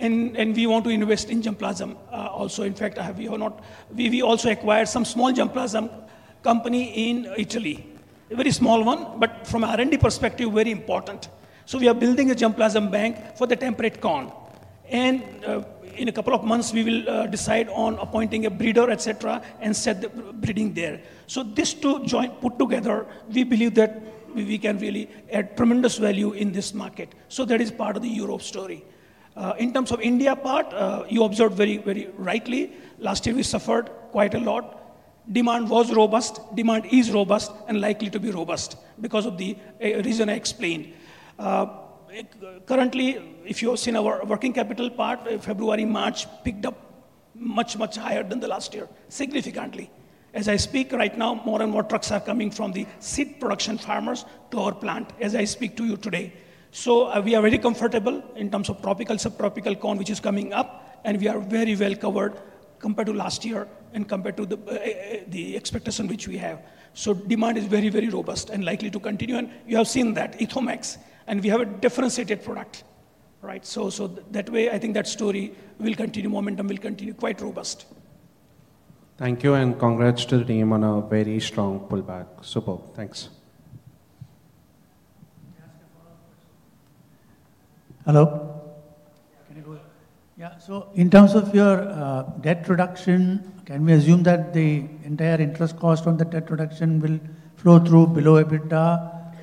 [SPEAKER 6] We want to invest in germplasm also. In fact, we also acquired some small germplasm company in Italy, a very small one, but from R&D perspective, very important. We are building a germplasm bank for the temperate corn. In a couple of months, we will decide on appointing a breeder, etc., and set the breeding there. These two joint put together, we believe that we can really add tremendous value in this market. That is part of the Europe story. In terms of India part, you observed very rightly, last year we suffered quite a lot. Demand was robust. Demand is robust and likely to be robust because of the reason I explained. Currently, if you have seen our working capital part, February, March picked up much, much higher than last year, significantly. As I speak right now, more and more trucks are coming from the seed production farmers to our plant as I speak to you today. We are very comfortable in terms of tropical, subtropical corn which is coming up, and we are very well covered compared to last year and compared to the expectation which we have. Demand is very, very robust and likely to continue. You have seen that, Ethomax. We have a differentiated product. That way, I think that story will continue. Momentum will continue quite robust. Thank you and congrats to the team on a very strong pullback. Superb. Thanks.
[SPEAKER 8] Can I ask a follow-up question?
[SPEAKER 4] Hello. Yeah. Can you go ahead?
[SPEAKER 8] Yeah. In terms of your debt reduction, can we assume that the entire interest cost on the debt reduction will flow through below EBITDA,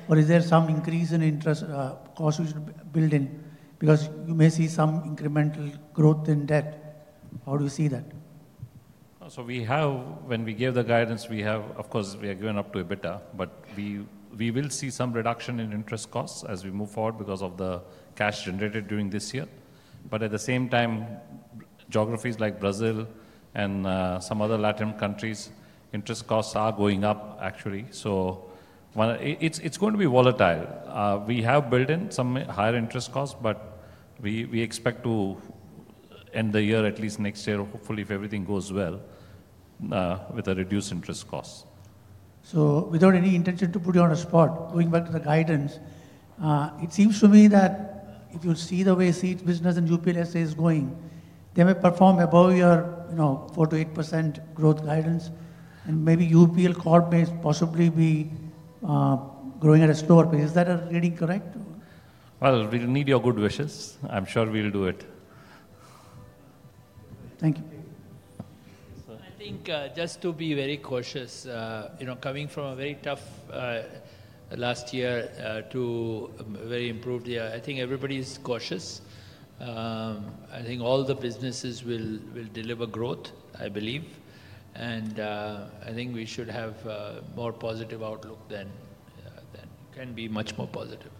[SPEAKER 8] or is there some increase in interest cost which will build in? Because you may see some incremental growth in debt. How do you see that?
[SPEAKER 4] When we gave the guidance, we have, of course, we are given up to EBITDA, but we will see some reduction in interest costs as we move forward because of the cash generated during this year. At the same time, geographies like Brazil and some other Latin countries, interest costs are going up, actually. It is going to be volatile. We have built in some higher interest costs, but we expect to end the year at least next year, hopefully if everything goes well, with a reduced interest cost.
[SPEAKER 8] Without any intention to put you on a spot, going back to the guidance, it seems to me that if you see the way seed business and UPL SAS is going, they may perform above your 4%-8% growth guidance. Maybe UPL Corporation may possibly be growing at a slower pace. Is that reading correct?
[SPEAKER 4] We'll need your good wishes. I'm sure we'll do it.
[SPEAKER 8] Thank you.
[SPEAKER 2] I think just to be very cautious, coming from a very tough last year to a very improved year, I think everybody's cautious. I think all the businesses will deliver growth, I believe. I think we should have a more positive outlook that can be much more positive.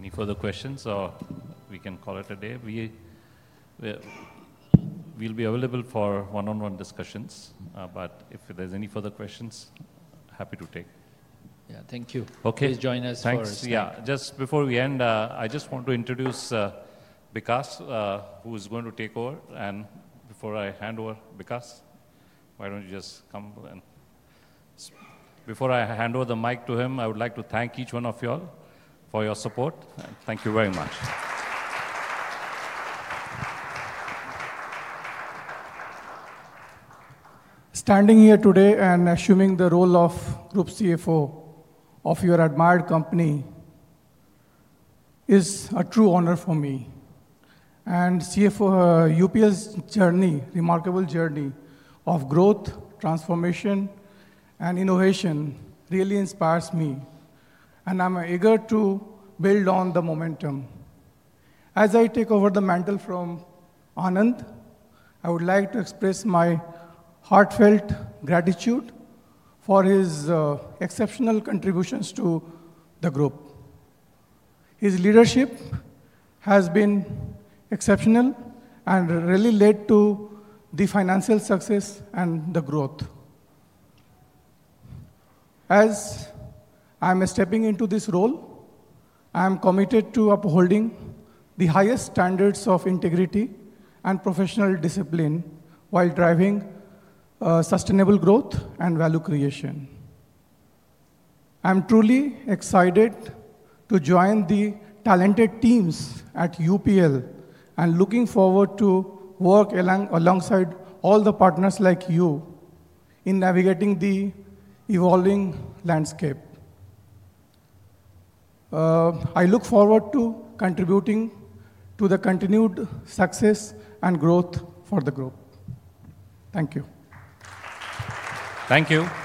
[SPEAKER 4] Any further questions, or we can call it a day? We will be available for one-on-one discussions. If there are any further questions, happy to take.
[SPEAKER 1] Yeah. Thank you.
[SPEAKER 4] Okay.
[SPEAKER 1] Please join us for a sit.
[SPEAKER 4] Thanks. Yeah. Just before we end, I just want to introduce Bikash, who is going to take over. Before I hand over, Bikash, why don't you just come and before I hand over the mic to him, I would like to thank each one of y'all for your support. Thank you very much.
[SPEAKER 11] Standing here today and assuming the role of Group CFO of your admired company is a true honor for me. UPL's journey, remarkable journey of growth, transformation, and innovation really inspires me. I'm eager to build on the momentum. As I take over the mantle from Anand, I would like to express my heartfelt gratitude for his exceptional contributions to the group. His leadership has been exceptional and really led to the financial success and the growth. As I'm stepping into this role, I'm committed to upholding the highest standards of integrity and professional discipline while driving sustainable growth and value creation. I'm truly excited to join the talented teams at UPL and looking forward to work alongside all the partners like you in navigating the evolving landscape. I look forward to contributing to the continued success and growth for the group. Thank you.
[SPEAKER 4] Thank you.